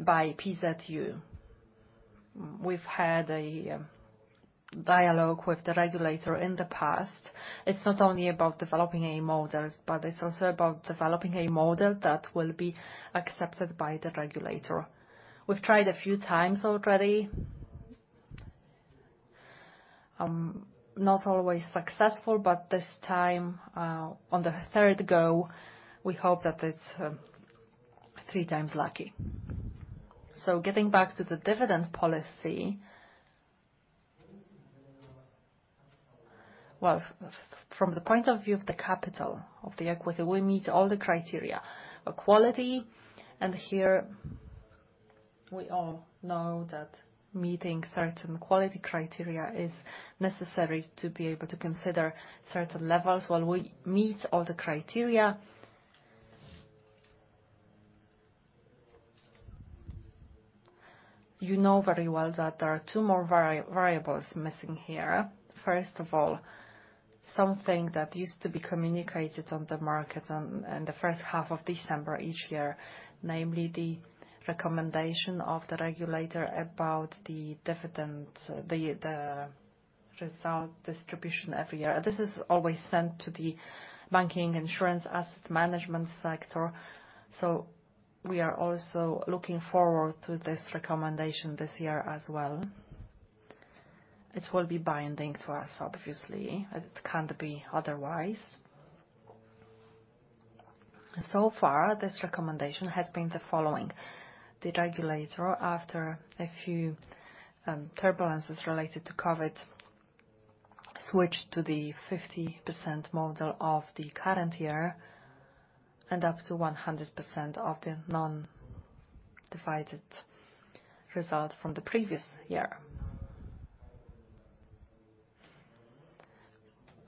by PZU. We've had a dialogue with the regulator in the past. It's not only about developing a model, but it's also about developing a model that will be accepted by the regulator. We've tried a few times already. Not always successful, but this time, on the third go, we hope that it's three times lucky. So getting back to the dividend policy. Well, from the point of view of the capital, of the equity, we meet all the criteria. But quality, and here we all know that meeting certain quality criteria is necessary to be able to consider certain levels. While we meet all the criteria, you know very well that there are two more variables missing here. First of all, something that used to be communicated on the market in the first half of December each year, namely, the recommendation of the regulator about the dividend, the result distribution every year. This is always sent to the banking, insurance, asset management sector, so we are also looking forward to this recommendation this year as well. It will be binding to us, obviously, it can't be otherwise. So far, this recommendation has been the following: The regulator, after a few turbulences related to COVID, switched to the 50% model of the current year, and up to 100% of the non-divided result from the previous year.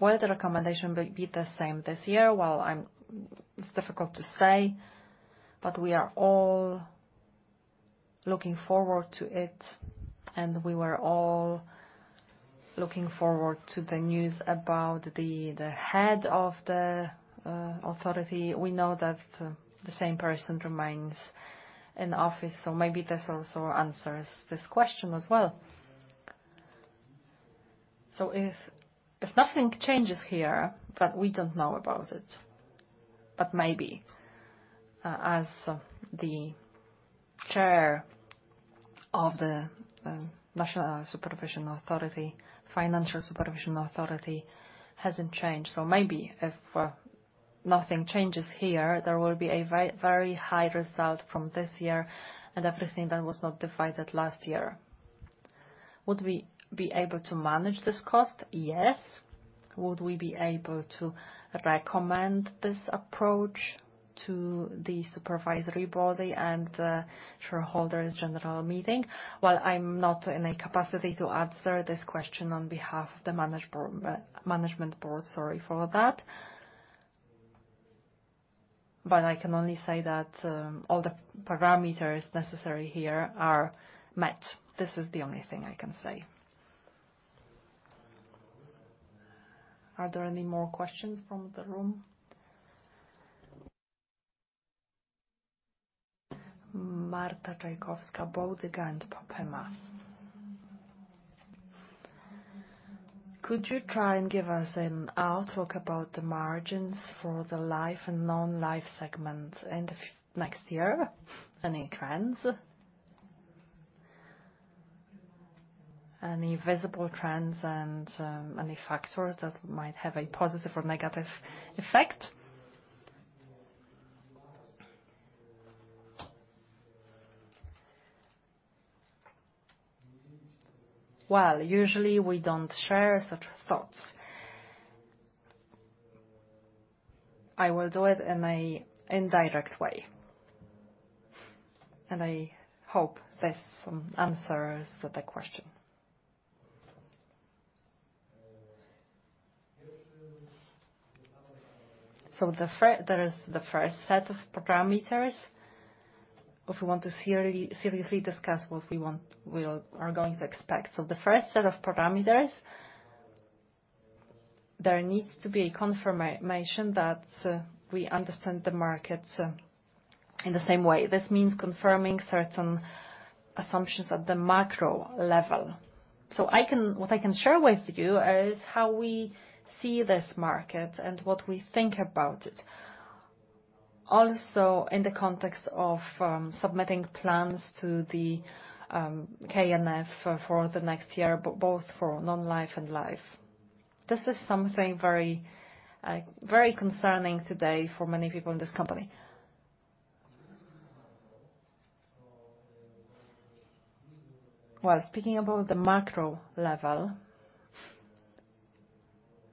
Will the recommendation be the same this year? Well, it's difficult to say, but we are all looking forward to it, and we were all looking forward to the news about the head of the authority. We know that the same person remains in office, so maybe this also answers this question as well. So if nothing changes here, but we don't know about it. But maybe as the chair of the National Supervision Authority, Financial Supervision Authority, hasn't changed. So maybe if nothing changes here, there will be a very high result from this year, and everything that was not divided last year. Would we be able to manage this cost? Yes. Would we be able to recommend this approach to the supervisory body and shareholders' general meeting? Well, I'm not in a capacity to answer this question on behalf of the management board. Sorry for that. But I can only say that all the parameters necessary here are met. This is the only thing I can say. Are there any more questions from the room? Marta Czajkowska-Bałdyga and Ipopema. Could you try and give us an outlook about the margins for the life and non-life segments in the next year? Any trends? Any visible trends and any factors that might have a positive or negative effect? Well, usually we don't share such thoughts. I will do it in a indirect way. And I hope this answers the question. So there is the first set of parameters, if we want to seriously, seriously discuss what we want we are going to expect. So the first set of parameters, there needs to be a confirmation that we understand the markets in the same way. This means confirming certain assumptions at the macro level. So I can... What I can share with you is how we see this market and what we think about it. Also, in the context of submitting plans to the KNF for the next year, both for non-life and life. This is something very, very concerning today for many people in this company. Well, speaking about the macro level,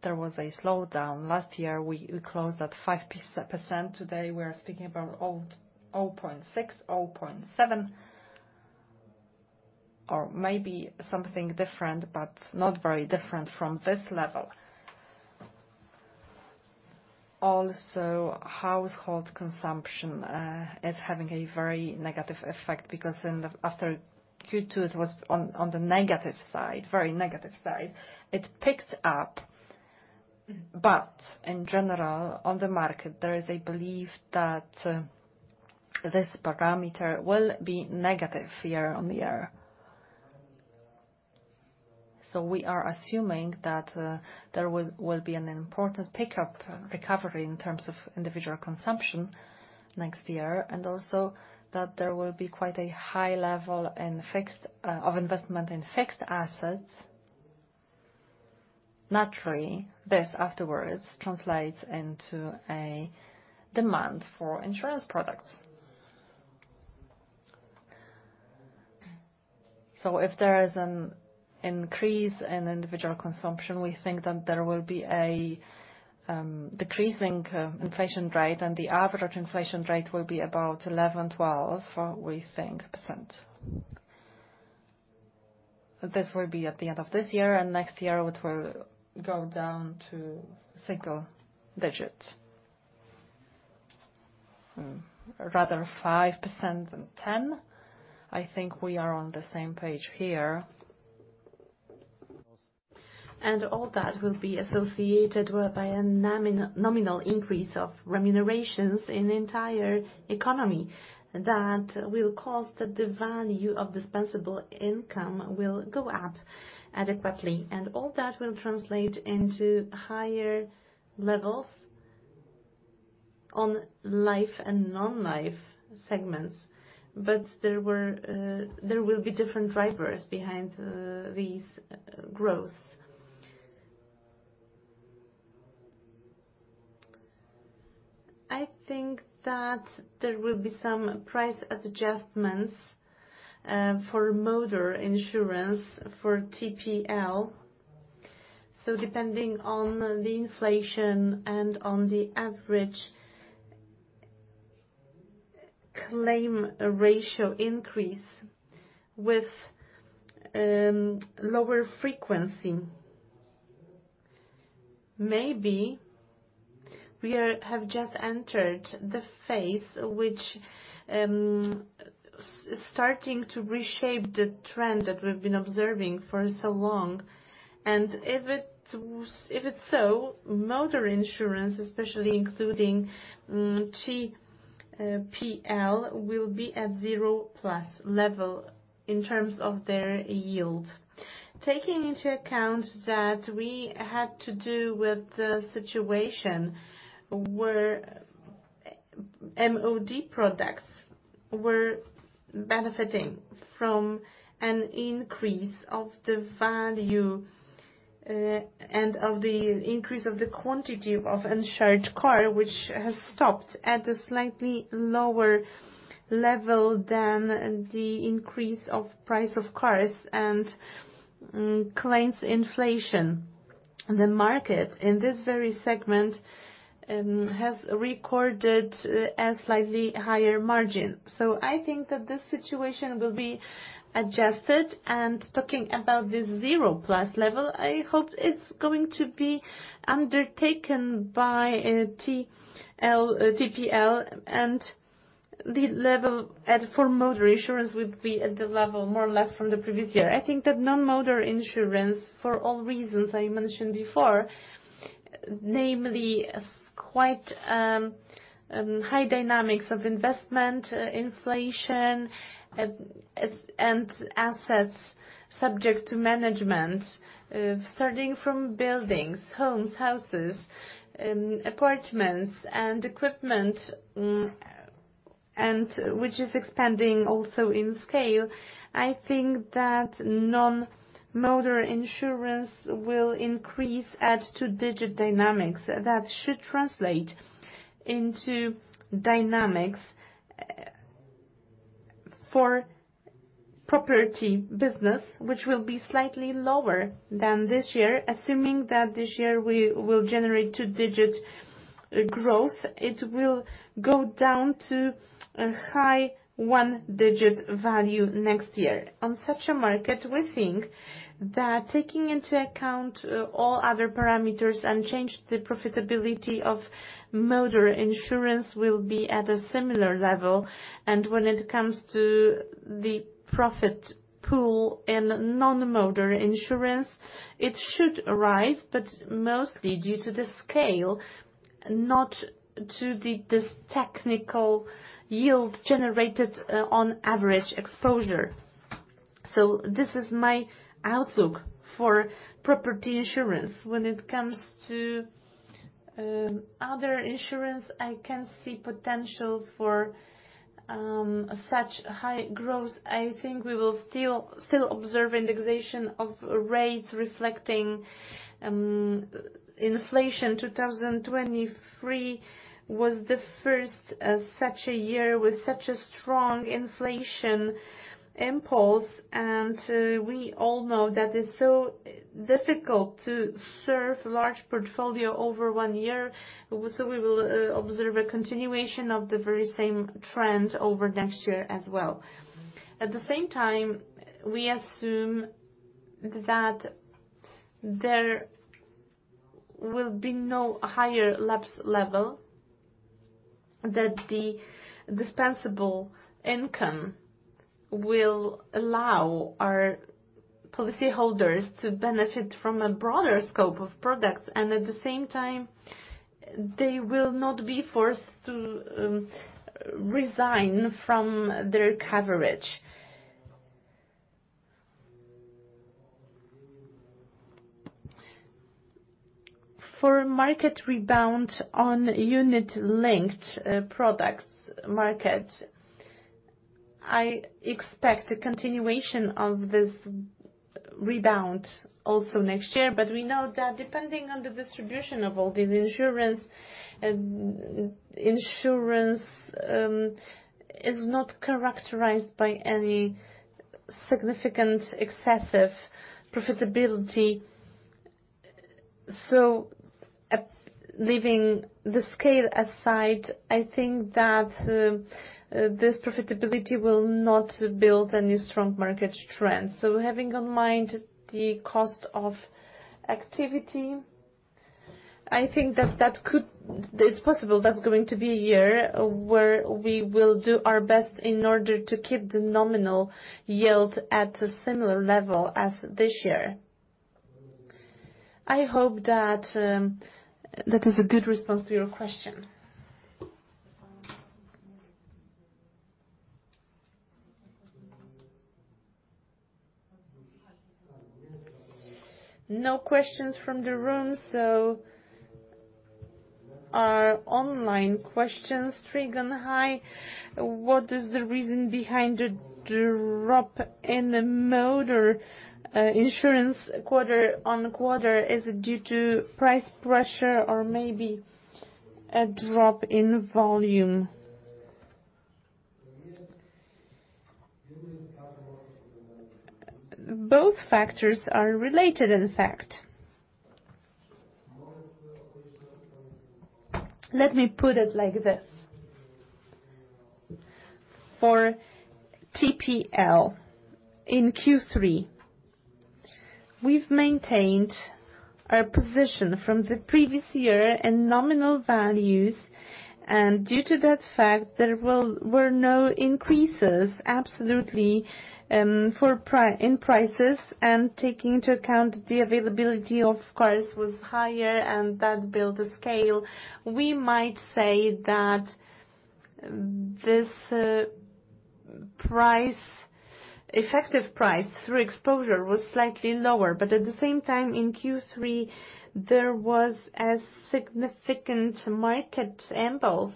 there was a slowdown. Last year, we closed at 5%. Today, we are speaking about 0.6-0.7... or maybe something different, but not very different from this level. Also, household consumption is having a very negative effect, because after Q2, it was on the negative side, very negative side. It picked up, but in general, on the market, there is a belief that this parameter will be negative year-on-year. So we are assuming that there will be an important pickup recovery in terms of individual consumption next year, and also that there will be quite a high level of investment in fixed assets. Naturally, this afterwards translates into a demand for insurance products. So if there is an increase in individual consumption, we think that there will be a decreasing inflation rate, and the average inflation rate will be about 11-12%, we think. This will be at the end of this year, and next year, it will go down to single digits. Rather 5% than 10%. I think we are on the same page here. And all that will be associated with by a nominal increase of remunerations in the entire economy. That will cause that the value of disposable income will go up adequately, and all that will translate into higher levels on life and non-life segments. But there will be different drivers behind these growths. I think that there will be some price adjustments for motor insurance, for TPL. So depending on the inflation and on the average claim ratio increase with lower frequency, maybe we have just entered the phase which starting to reshape the trend that we've been observing for so long. And if it, if it's so, motor insurance, especially including TPL, will be at zero plus level in terms of their yield. Taking into account that we had to do with the situation where MOD products were benefiting from an increase of the value, and of the increase of the quantity of insured car, which has stopped at a slightly lower level than the increase of price of cars and claims inflation. The market, in this very segment, has recorded a slightly higher margin. So I think that this situation will be adjusted. And talking about this zero plus level, I hope it's going to be undertaken by TPL, and the level at for motor insurance will be at the level more or less from the previous year. I think that non-motor insurance, for all reasons I mentioned before, namely, quite high dynamics of investment, inflation, and assets subject to management, starting from buildings, homes, houses, apartments and equipment, and which is expanding also in scale. I think that non-motor insurance will increase at two-digit dynamics. That should translate into dynamics for property business, which will be slightly lower than this year. Assuming that this year we will generate two-digit growth, it will go down to a high one-digit value next year. On such a market, we think that taking into account all other parameters unchanged, the profitability of motor insurance will be at a similar level, and when it comes to the profit pool in non-motor insurance, it should rise, but mostly due to the scale, not to the this technical yield generated on average exposure. So this is my outlook for property insurance. When it comes to other insurance, I can see potential for such high growth. I think we will still observe indexation of rates reflecting inflation. 2023 was the first such a year with such a strong inflation impulse, and we all know that it's so difficult to serve large portfolio over one year, so we will observe a continuation of the very same trend over next year as well. At the same time, we assume that there will be no higher lapse level, that the disposable income will allow our policyholders to benefit from a broader scope of products, and at the same time, they will not be forced to resign from their coverage. For market rebound on unit-linked products market, I expect a continuation of this rebound also next year, but we know that depending on the distribution of all these insurance is not characterized by any significant excessive profitability. So leaving the scale aside, I think that this profitability will not build any strong market trend. So having on mind the cost of activity, I think that that could, it's possible that's going to be a year where we will do our best in order to keep the nominal yield at a similar level as this year. I hope that that is a good response to your question. No questions from the room, so our online questions. Trigon Hi, what is the reason behind the drop in the motor insurance quarter-on-quarter? Is it due to price pressure or maybe a drop in volume? Both factors are related, in fact. Let me put it like this: for TPL, in Q3, we've maintained our position from the previous year in nominal values, and due to that fact, there were no increases, absolutely, for prices, and taking into account the availability, of course, was higher, and that built a scale. We might say that this price, effective price through exposure was slightly lower. But at the same time, in Q3, there was a significant market impulse,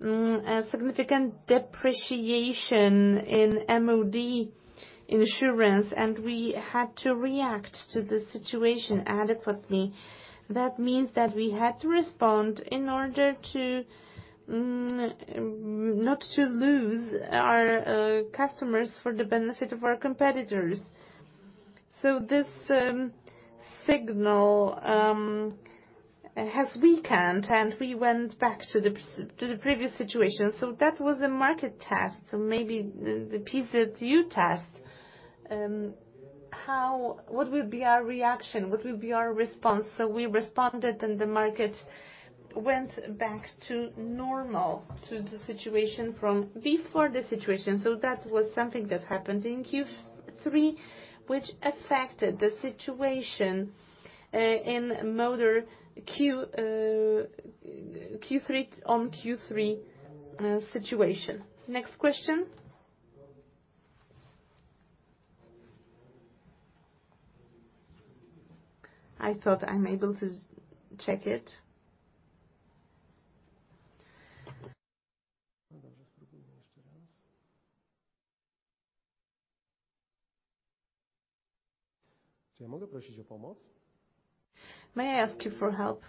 a significant depreciation in MOD insurance, and we had to react to the situation adequately. That means that we had to respond in order to not to lose our customers for the benefit of our competitors. So this signal has weakened, and we went back to the previous situation. So that was a market test. So maybe the piece that you test how what will be our reaction? What will be our response? So we responded, and the market went back to normal, to the situation from before the situation. So that was something that happened in Q3, which affected the situation in motor Q3 on Q3 situation. Next question? I thought I'm able to check it. May I ask you for help?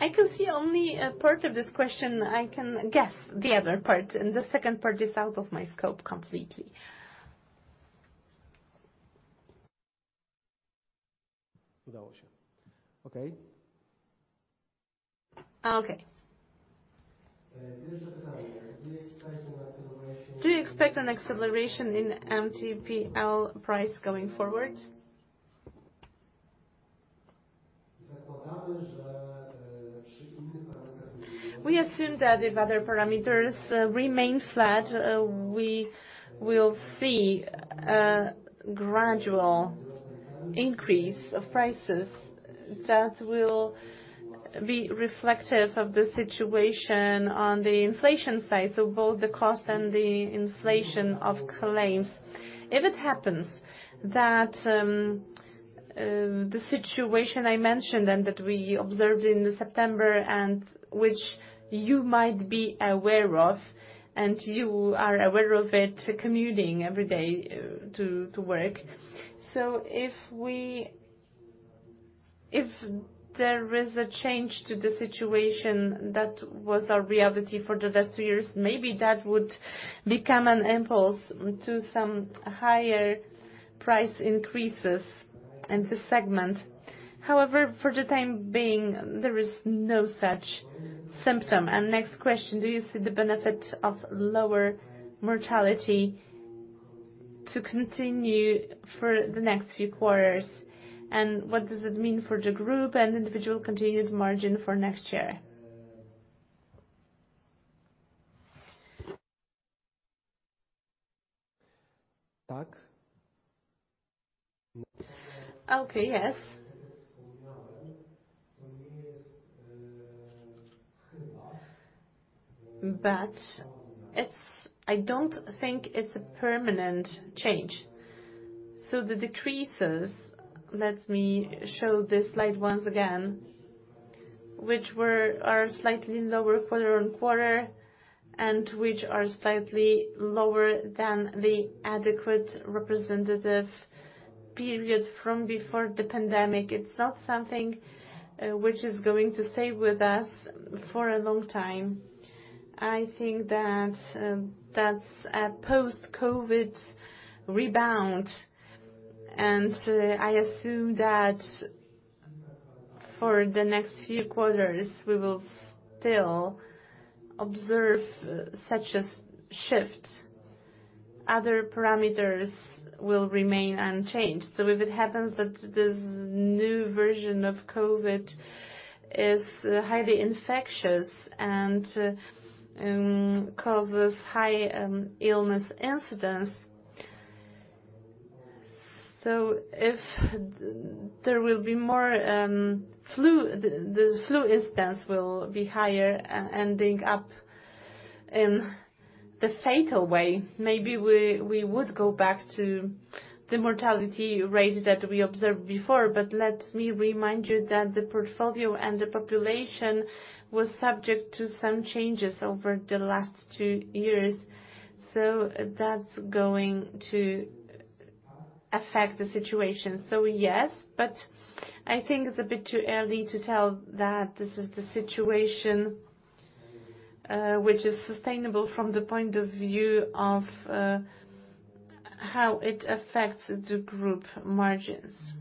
I can see only a part of this question. I can guess the other part, and the second part is out of my scope completely. Okay. Okay. Do you expect an acceleration in MTPL price going forward? We assume that if other parameters remain flat, we will see a gradual increase of prices that will be reflective of the situation on the inflation side, so both the cost and the inflation of claims. If it happens that the situation I mentioned and that we observed in September and which you might be aware of, and you are aware of it, commuting every day to work. If there is a change to the situation, that was our reality for the last two years, maybe that would become an impulse to some higher price increases in this segment. However, for the time being, there is no such symptom. Next question, do you see the benefit of lower mortality to continue for the next few quarters? What does it mean for the group and individual continued margin for next year? Tak. Okay, yes. But it's not a permanent change. So the decreases, let me show this slide once again, which were, are slightly lower quarter-on-quarter, and which are slightly lower than the adequate representative period from before the pandemic. It's not something which is going to stay with us for a long time. I think that that's a post-COVID rebound, and I assume that for the next few quarters, we will still observe such a shift. Other parameters will remain unchanged. So if it happens that this new version of COVID is highly infectious and causes high illness incidents, so if there will be more flu, the flu incidence will be higher ending up in the fatal way, maybe we would go back to the mortality rate that we observed before. But let me remind you that the portfolio and the population was subject to some changes over the last two years, so that's going to affect the situation. So, yes, but I think it's a bit too early to tell that this is the situation, which is sustainable from the point of view of, how it affects the group margins.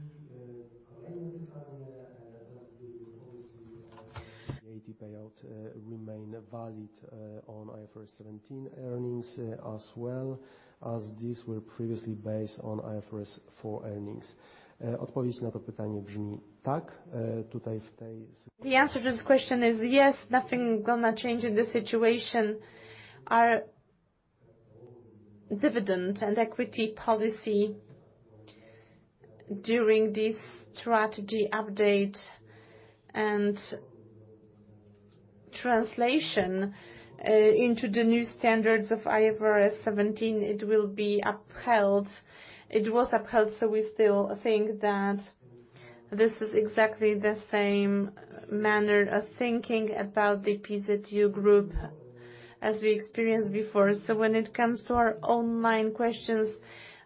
The answer to this question is, yes, nothing gonna change in this situation. Our dividend and equity policy during this strategy update and translation into the new standards of IFRS 17, it will be upheld. It was upheld, so we still think that this is exactly the same manner of thinking about the PZU Group as we experienced before. So when it comes to our online questions,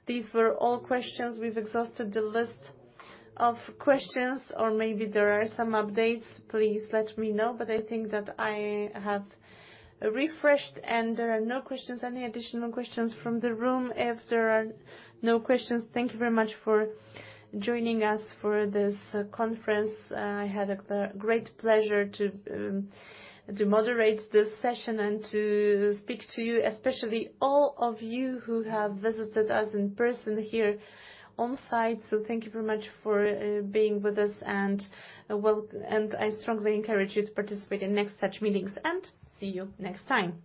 these were all questions. We've exhausted the list of questions, or maybe there are some updates, please let me know. I think that I have refreshed, and there are no questions. Any additional questions from the room? If there are no questions, thank you very much for joining us for this conference. I had a great pleasure to moderate this session and to speak to you, especially all of you who have visited us in person here on site. So thank you very much for being with us, and I strongly encourage you to participate in next such meetings, and see you next time.